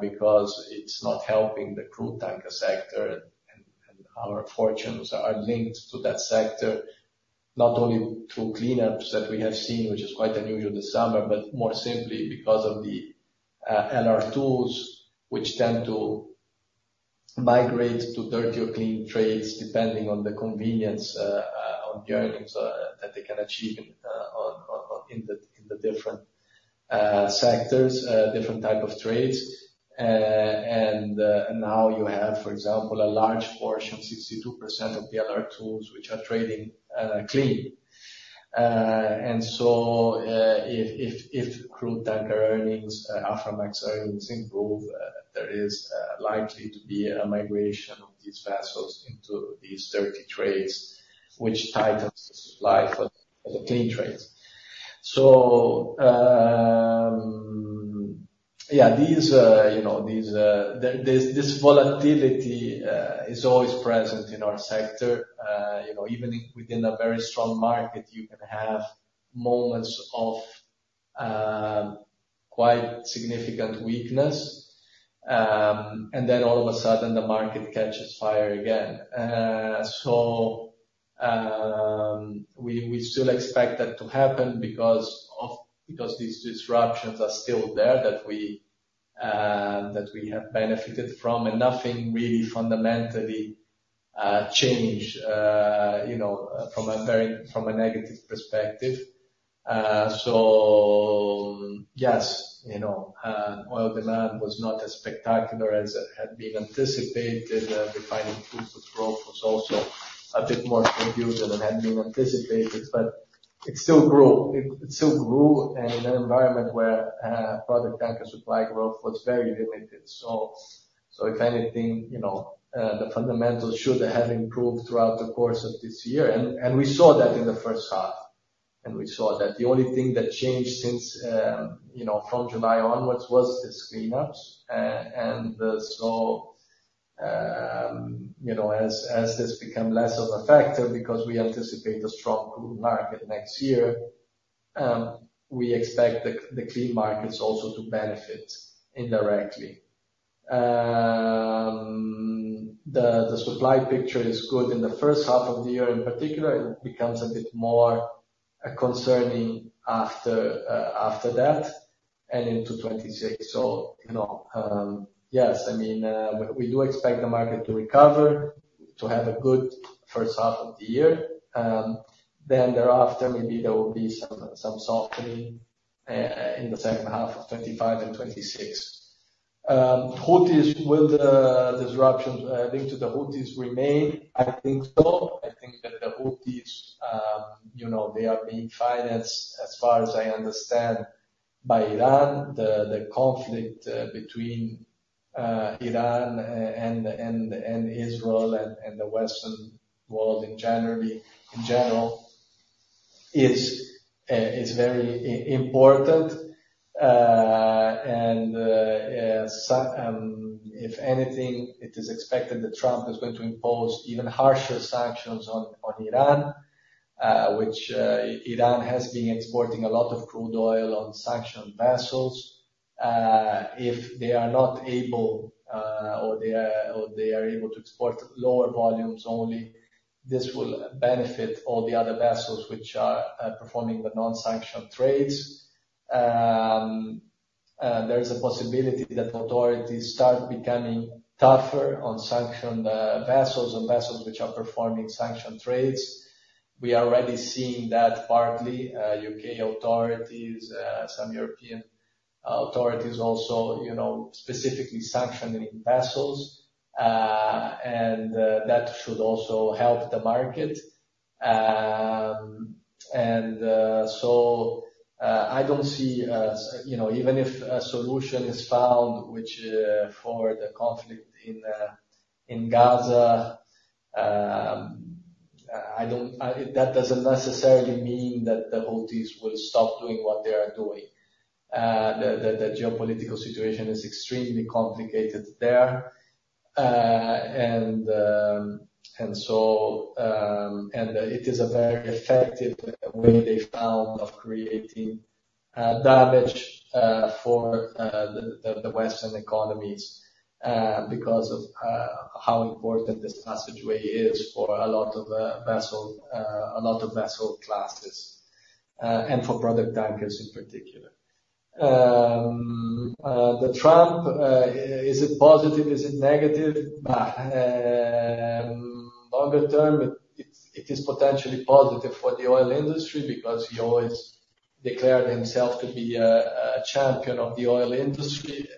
because it's not helping the crude tanker sector. And our fortunes are linked to that sector, not only through cleanups that we have seen, which is quite unusual this summer, but more simply because of the LR2s, which tend to migrate to dirtier clean trades depending on the convenience of the earnings that they can achieve in the different sectors, different type of trades. And now you have, for example, a large portion, 62% of the LR2s, which are trading clean. And so if crude tanker earnings, Aframax earnings improve, there is likely to be a migration of these vessels into these dirty trades, which tightens the supply for the clean trades. So, yeah, this volatility is always present in our sector. Even within a very strong market, you can have moments of quite significant weakness. And then all of a sudden, the market catches fire again. So we still expect that to happen because these disruptions are still there that we have benefited from. And nothing really fundamentally changed from a negative perspective. So, yes, oil demand was not as spectacular as it had been anticipated. The findings of growth was also a bit more conducive than it had been anticipated. But it still grew. It still grew in an environment where product tanker supply growth was very limited. So if anything, the fundamentals should have improved throughout the course of this year. And we saw that in the first half. And we saw that the only thing that changed since from July onwards was these cleanups. And so as this becomes less of a factor because we anticipate a strong crude market next year, we expect the clean markets also to benefit indirectly. The supply picture is good in the first half of the year in particular. It becomes a bit more concerning after that and into 2026. So, yes, I mean, we do expect the market to recover, to have a good first half of the year. Then thereafter, maybe there will be some softening in the second half of 2025 and 2026. Will the disruptions linked to the Houthis remain? I think so. I think that the Houthis, they are being financed, as far as I understand, by Iran. The conflict between Iran and Israel and the Western world in general is very important. And if anything, it is expected that Trump is going to impose even harsher sanctions on Iran, which Iran has been exporting a lot of crude oil on sanctioned vessels. If they are not able or they are able to export lower volumes only, this will benefit all the other vessels which are performing the non-sanctioned trades. There is a possibility that authorities start becoming tougher on sanctioned vessels and vessels which are performing sanctioned trades. We are already seeing that partly. UK authorities, some European authorities also specifically sanctioning vessels. And that should also help the market. And so I don't see even if a solution is found for the conflict in Gaza, that doesn't necessarily mean that the Houthis will stop doing what they are doing. The geopolitical situation is extremely complicated there. And it is a very effective way they found of creating damage for the Western economies because of how important this passageway is for a lot of vessels, a lot of vessel classes, and for product tankers in particular. The Trump, is it positive? Is it negative? Longer term, it is potentially positive for the oil industry because he always declared himself to be a champion of the oil industry.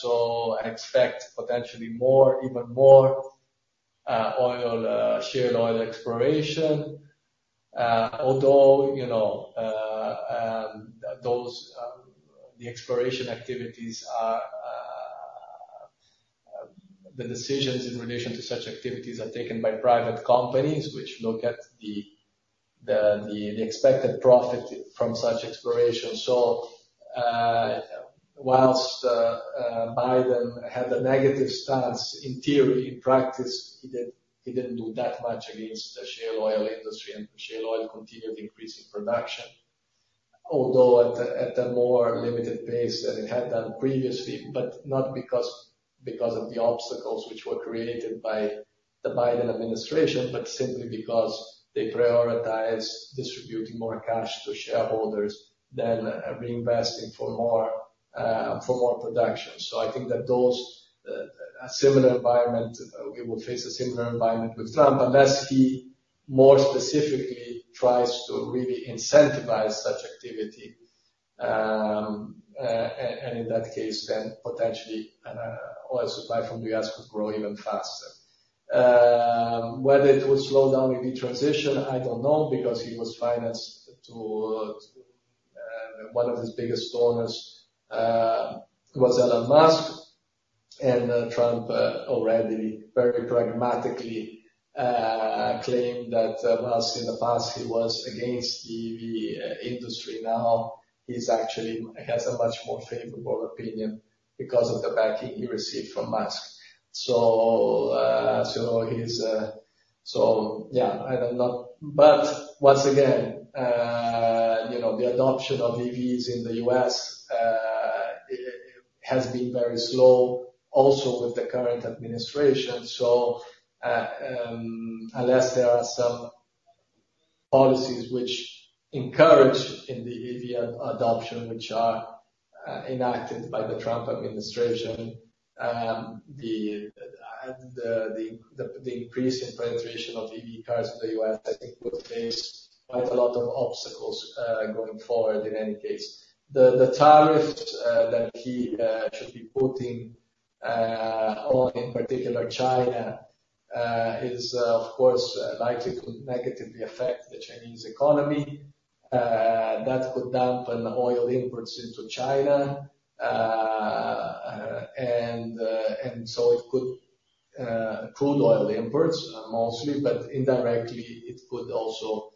So I expect potentially more, even more oil, shale oil exploration. Although the exploration activities, the decisions in relation to such activities are taken by private companies which look at the expected profit from such exploration. So whilst Biden had a negative stance in theory, in practice, he didn't do that much against the shale oil industry and the shale oil continued increasing production, although at a more limited pace than it had done previously, but not because of the obstacles which were created by the Biden administration, but simply because they prioritized distributing more cash to shareholders than reinvesting for more production. I think that a similar environment we will face a similar environment with Trump unless he more specifically tries to really incentivize such activity. In that case, then potentially oil supply from the U.S. could grow even faster. Whether it would slow down with the transition, I don't know because he was financed to one of his biggest donors was Elon Musk. Trump already very pragmatically claimed that while in the past he was against the industry, now he has a much more favorable opinion because of the backing he received from Musk. Yeah, I don't know. Once again, the adoption of EVs in the U.S. has been very slow also with the current administration. So unless there are some policies which encourage the EV adoption, which are enacted by the Trump administration, the increase in penetration of EV cars in the U.S., I think would face quite a lot of obstacles going forward in any case. The tariffs that he should be putting on, in particular China, is of course likely to negatively affect the Chinese economy. That could dampen oil imports into China. And so it could crude oil imports mostly, but indirectly it could also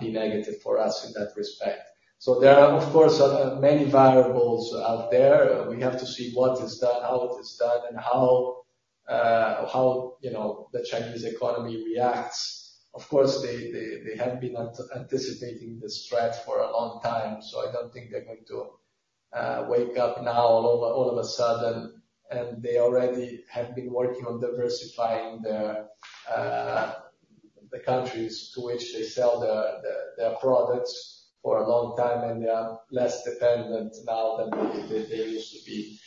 be negative for us in that respect. So there are, of course, many variables out there. We have to see what is done, how it is done, and how the Chinese economy reacts. Of course, they have been anticipating this threat for a long time. So I don't think they're going to wake up now all of a sudden. And they already have been working on diversifying the countries to which they sell their products for a long time. And they are less dependent now than they used to be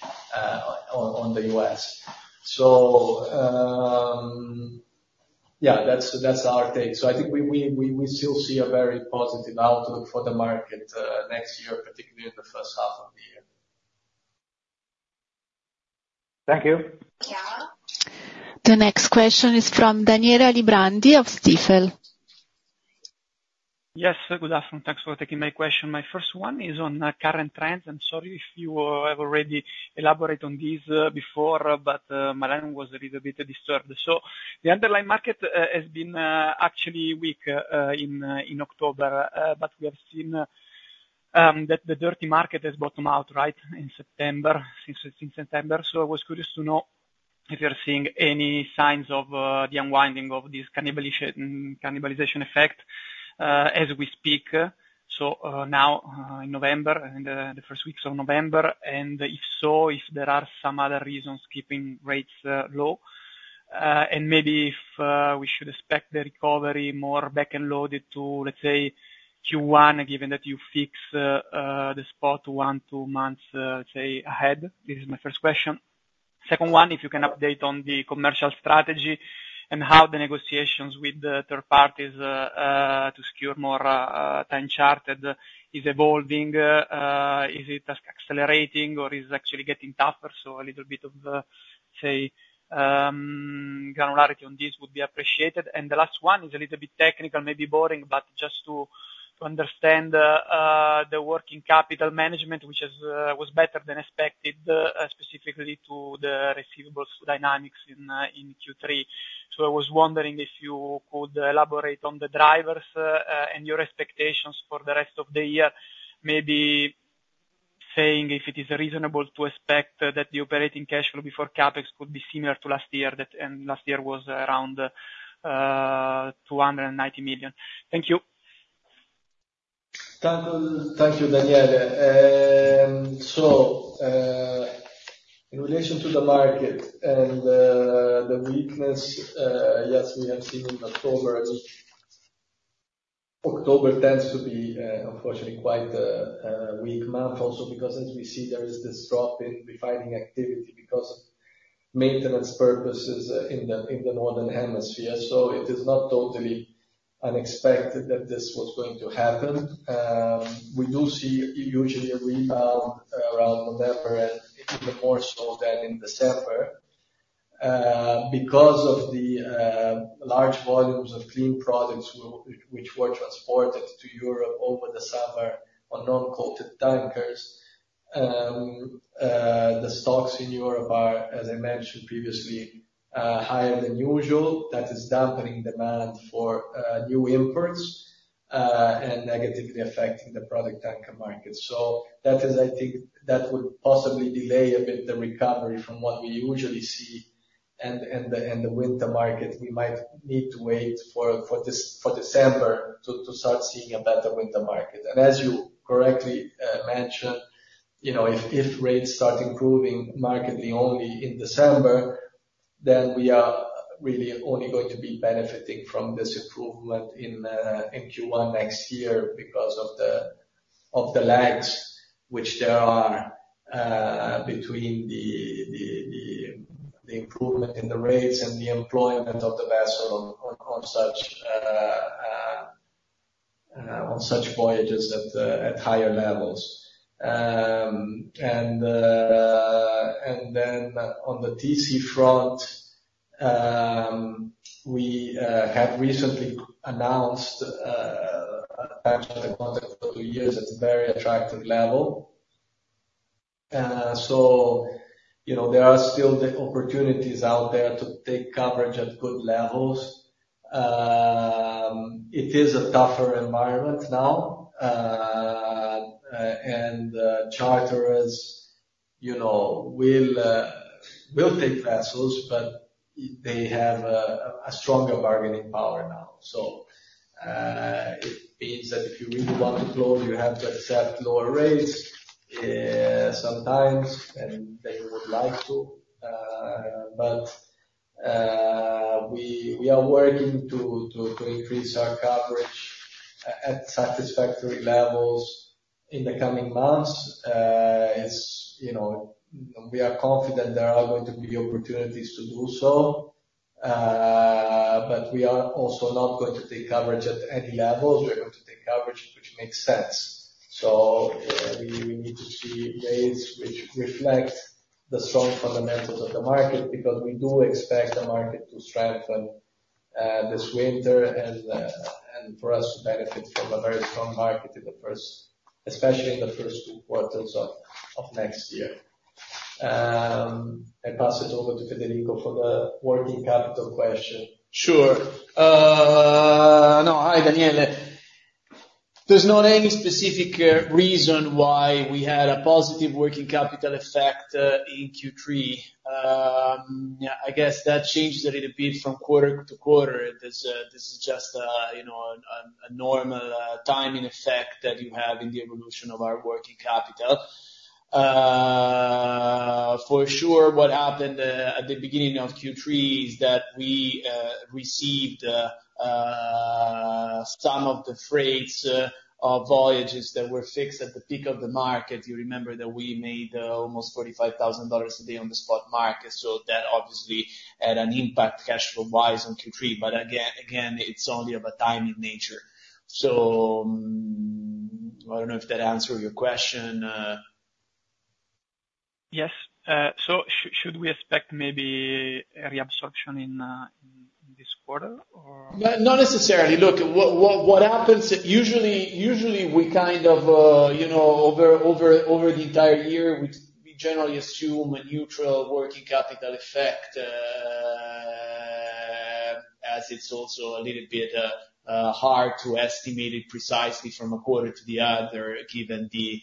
on the US. So yeah, that's our take. So I think we still see a very positive outlook for the market next year, particularly in the first half of the year. Thank you. Yeah. The next question is from Daniela Librandi of Stifel. Yes, good afternoon. Thanks for taking my question. My first one is on current trends. I'm sorry if you have already elaborated on this before, but my line was a little bit disturbed, so the underlying market has been actually weak in October, but we have seen that the dirty market has bottomed out, right, in September, since September. So I was curious to know if you're seeing any signs of the unwinding of this cannibalization effect as we speak, so now in November, in the first weeks of November, and if so, if there are some other reasons keeping rates low, and maybe if we should expect the recovery more back and loaded to, let's say, Q1, given that you fix the spot one, two months, let's say, ahead. This is my first question. Second one, if you can update on the commercial strategy and how the negotiations with third parties to secure more time-chartered is evolving. Is it accelerating or is it actually getting tougher? So a little bit of, say, granularity on this would be appreciated. And the last one is a little bit technical, maybe boring, but just to understand the working capital management, which was better than expected, specifically to the receivables dynamics in Q3. So I was wondering if you could elaborate on the drivers and your expectations for the rest of the year, maybe saying if it is reasonable to expect that the operating cash flow before CapEx could be similar to last year, and last year was around $290 million. Thank you. Thank you, Daniela. So in relation to the market and the weakness, yes, we have seen in October, and October tends to be, unfortunately, quite a weak month also because, as we see, there is this drop in refining activity because of maintenance purposes in the Northern Hemisphere. So it is not totally unexpected that this was going to happen. We do see usually a rebound around November and even more so than in December because of the large volumes of clean products which were transported to Europe over the summer on non-coated tankers. The stocks in Europe are, as I mentioned previously, higher than usual. That is dampening demand for new imports and negatively affecting the product tanker market. So that is, I think, that would possibly delay a bit the recovery from what we usually see. The winter market, we might need to wait for December to start seeing a better winter market. And as you correctly mentioned, if rates start improving markedly only in December, then we are really only going to be benefiting from this improvement in Q1 next year because of the lags which there are between the improvement in the rates and the employment of the vessel on such voyages at higher levels. And then on the TC front, we have recently announced a contract for two years at a very attractive level. So there are still the opportunities out there to take coverage at good levels. It is a tougher environment now. And charterers will take vessels, but they have a stronger bargaining power now. So it means that if you really want to close, you have to accept lower rates sometimes, and they would like to. But we are working to increase our coverage at satisfactory levels in the coming months. We are confident there are going to be opportunities to do so. But we are also not going to take coverage at any levels. We are going to take coverage, which makes sense. So we need to see ways which reflect the strong fundamentals of the market because we do expect the market to strengthen this winter and for us to benefit from a very strong market, especially in the first two quarters of next year. I pass it over to Federico for the working capital question. Sure. No, hi, Daniela. There's not any specific reason why we had a positive working capital effect in Q3. I guess that changes a little bit from quarter to quarter. This is just a normal timing effect that you have in the evolution of our working capital. For sure, what happened at the beginning of Q3 is that we received some of the freights of voyages that were fixed at the peak of the market. You remember that we made almost $45,000 a day on the spot market. So that obviously had an impact cash flow-wise on Q3. But again, it's only of a timing nature. So I don't know if that answered your question? Yes. So should we expect maybe reabsorption in this quarter or? Not necessarily. Look, what happens, usually we kind of over the entire year, we generally assume a neutral working capital effect as it's also a little bit hard to estimate it precisely from one quarter to the other given you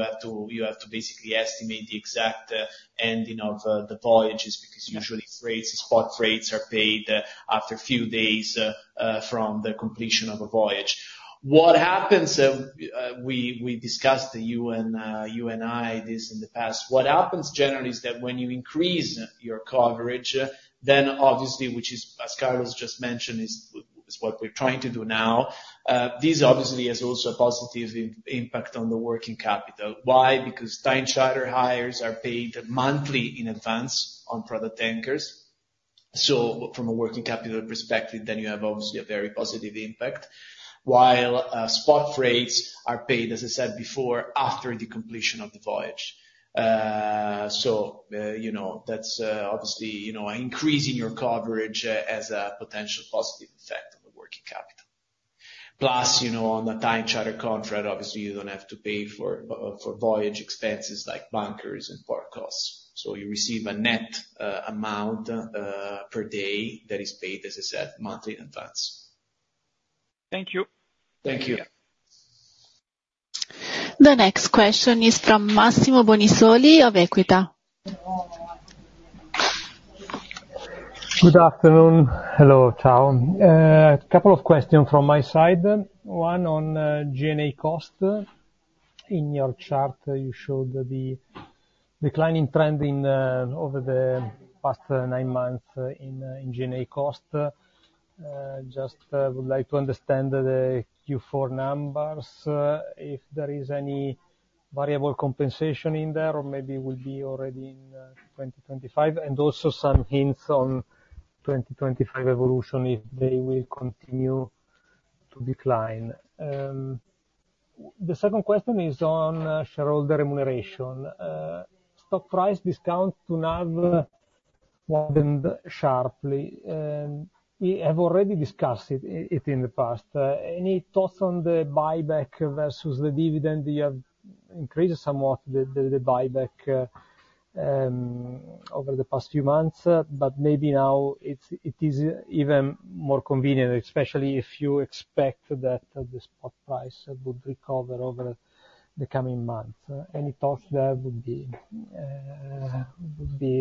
have to basically estimate the exact ending of the voyages because usually spot freights are paid after a few days from the completion of a voyage. What happens, we discussed this in the past. What happens generally is that when you increase your coverage, then obviously, which is, as Carlos just mentioned, is what we're trying to do now, this obviously has also a positive impact on the working capital. Why? Because time charter hires are paid monthly in advance on product tankers. So from a working capital perspective, then you have obviously a very positive impact, while spot freights are paid, as I said before, after the completion of the voyage. So that's obviously an increase in your coverage as a potential positive effect on the working capital. Plus, on the time charter contract, obviously, you don't have to pay for voyage expenses like bunkers and port costs. So you receive a net amount per day that is paid, as I said, monthly in advance. Thank you. Thank you. The next question is from Massimo Bonisoli of Equita. Good afternoon. Hello, ciao. A couple of questions from my side. One on G&A cost. In your chart, you showed the declining trend over the past nine months in G&A cost. Just would like to understand the Q4 numbers, if there is any variable compensation in there or maybe will be already in 2025, and also some hints on 2025 evolution if they will continue to decline. The second question is on shareholder remuneration. Stock price discount to NAV more than sharply. We have already discussed it in the past. Any thoughts on the buyback versus the dividend? You have increased somewhat the buyback over the past few months, but maybe now it is even more convenient, especially if you expect that the spot price would recover over the coming months. Any thoughts there would be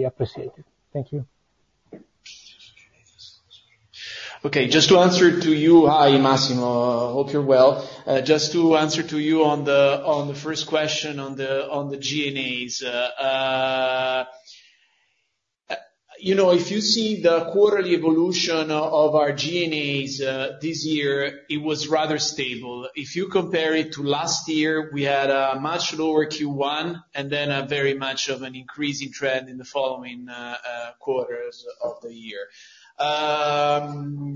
appreciated. Thank you. Okay. Just to answer to you, hi, Massimo. I hope you're well. Just to answer to you on the first question on the G&As. If you see the quarterly evolution of our G&As this year, it was rather stable. If you compare it to last year, we had a much lower Q1 and then a very much of an increasing trend in the following quarters of the year, and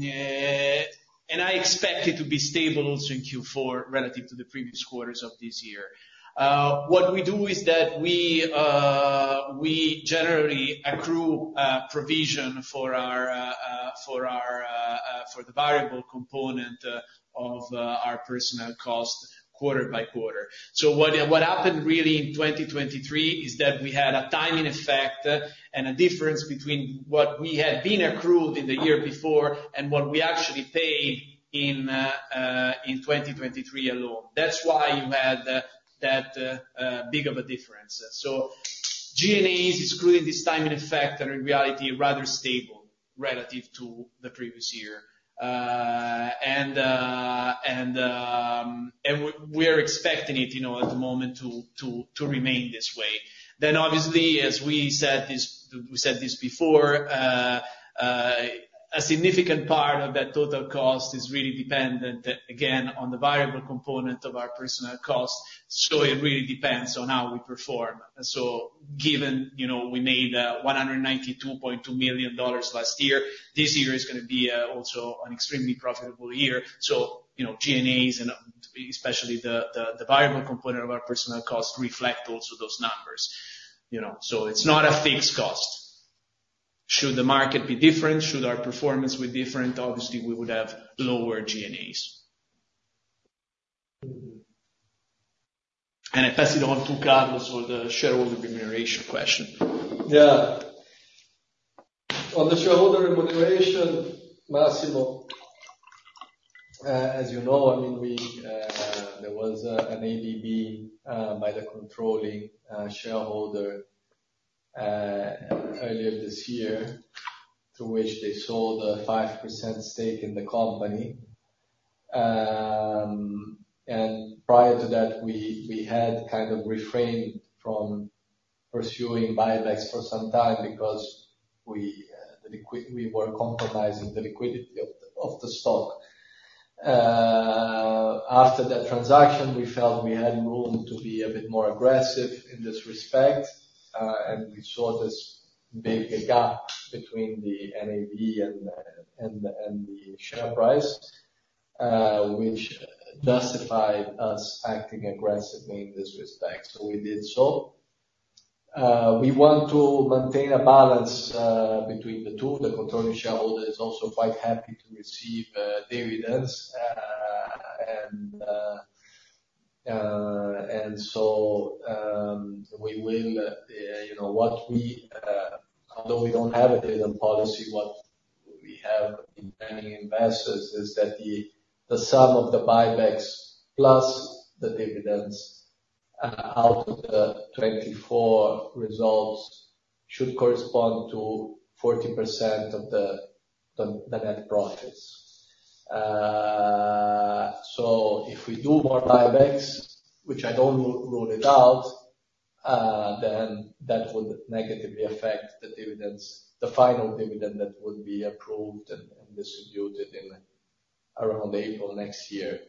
I expect it to be stable also in Q4 relative to the previous quarters of this year. What we do is that we generally accrue provision for the variable component of our personnel cost quarter by quarter. So what happened really in 2023 is that we had a timing effect and a difference between what we had been accrued in the year before and what we actually paid in 2023 alone. That's why you had that big of a difference. G&A is creating this timing effect and in reality, rather stable relative to the previous year. And we are expecting it at the moment to remain this way. Then obviously, as we said before, a significant part of that total cost is really dependent, again, on the variable component of our personnel cost. So it really depends on how we perform. So given we made $192.2 million last year, this year is going to be also an extremely profitable year. So G&A, and especially the variable component of our personnel cost, reflect also those numbers. So it's not a fixed cost. Should the market be different? Should our performance be different? Obviously, we would have lower G&A. And I pass it on to Carlos for the shareholder remuneration question. Yeah. On the shareholder remuneration, Massimo, as you know, I mean, there was an ABB by the controlling shareholder earlier this year through which they sold a 5% stake in the company. And prior to that, we had kind of refrained from pursuing buybacks for some time because we were compromising the liquidity of the stock. After that transaction, we felt we had room to be a bit more aggressive in this respect. And we saw this big gap between the NAV and the share price, which justified us acting aggressively in this respect. So we did so. We want to maintain a balance between the two. The controlling shareholder is also quite happy to receive dividends. Although we don't have a dividend policy, what we have been telling investors is that the sum of the buybacks plus the dividends out of the 2024 results should correspond to 40% of the net profits. So if we do more buybacks, which I don't rule out, then that would negatively affect the dividends, the final dividend that would be approved and distributed around April next year.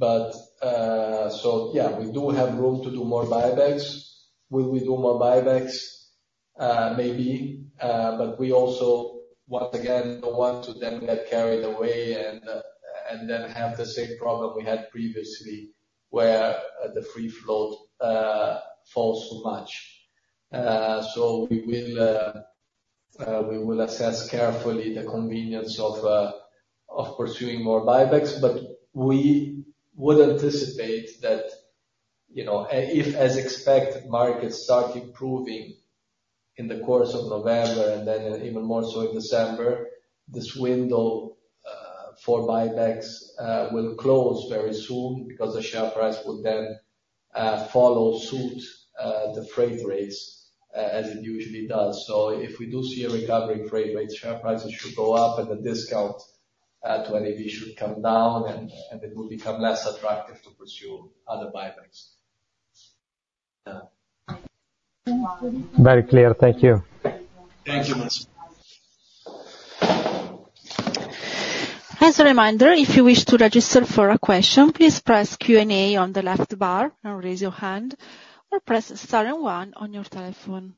But so, yeah, we do have room to do more buybacks. Will we do more buybacks? Maybe. But we also, once again, don't want to then get carried away and then have the same problem we had previously where the free float falls too much. So we will assess carefully the convenience of pursuing more buybacks. We would anticipate that if, as expected, markets start improving in the course of November and then even more so in December, this window for buybacks will close very soon because the share price would then follow suit the freight rates as it usually does. If we do see a recovery in freight rates, share prices should go up and the discount to NAV should come down, and it will become less attractive to pursue other buybacks. Very clear. Thank you. Thank you, Massimo. As a reminder, if you wish to register for a question, please press Q&A on the left bar and raise your hand or press star and one on your telephone.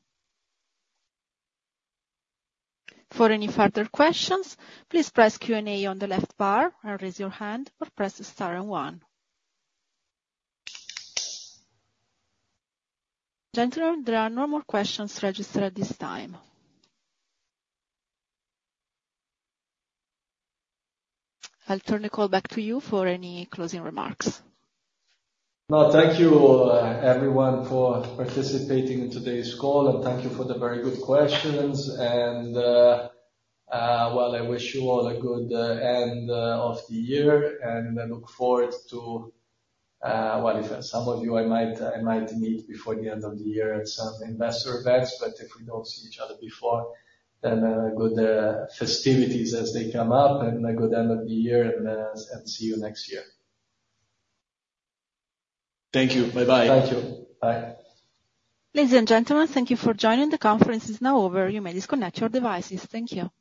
For any further questions, please press Q&A on the left bar and raise your hand or press star and one. Gentlemen, there are no more questions registered at this time. I'll turn the call back to you for any closing remarks. No, thank you, everyone, for participating in today's call. And thank you for the very good questions. And, well, I wish you all a good end of the year. And I look forward to, well, if some of you, I might meet before the end of the year at some investor events. But if we don't see each other before, then good festivities as they come up and a good end of the year. And see you next year. Thank you. Bye-bye. Thank you. Bye. Ladies and gentlemen, thank you for joining. The conference is now over. You may disconnect your devices. Thank you.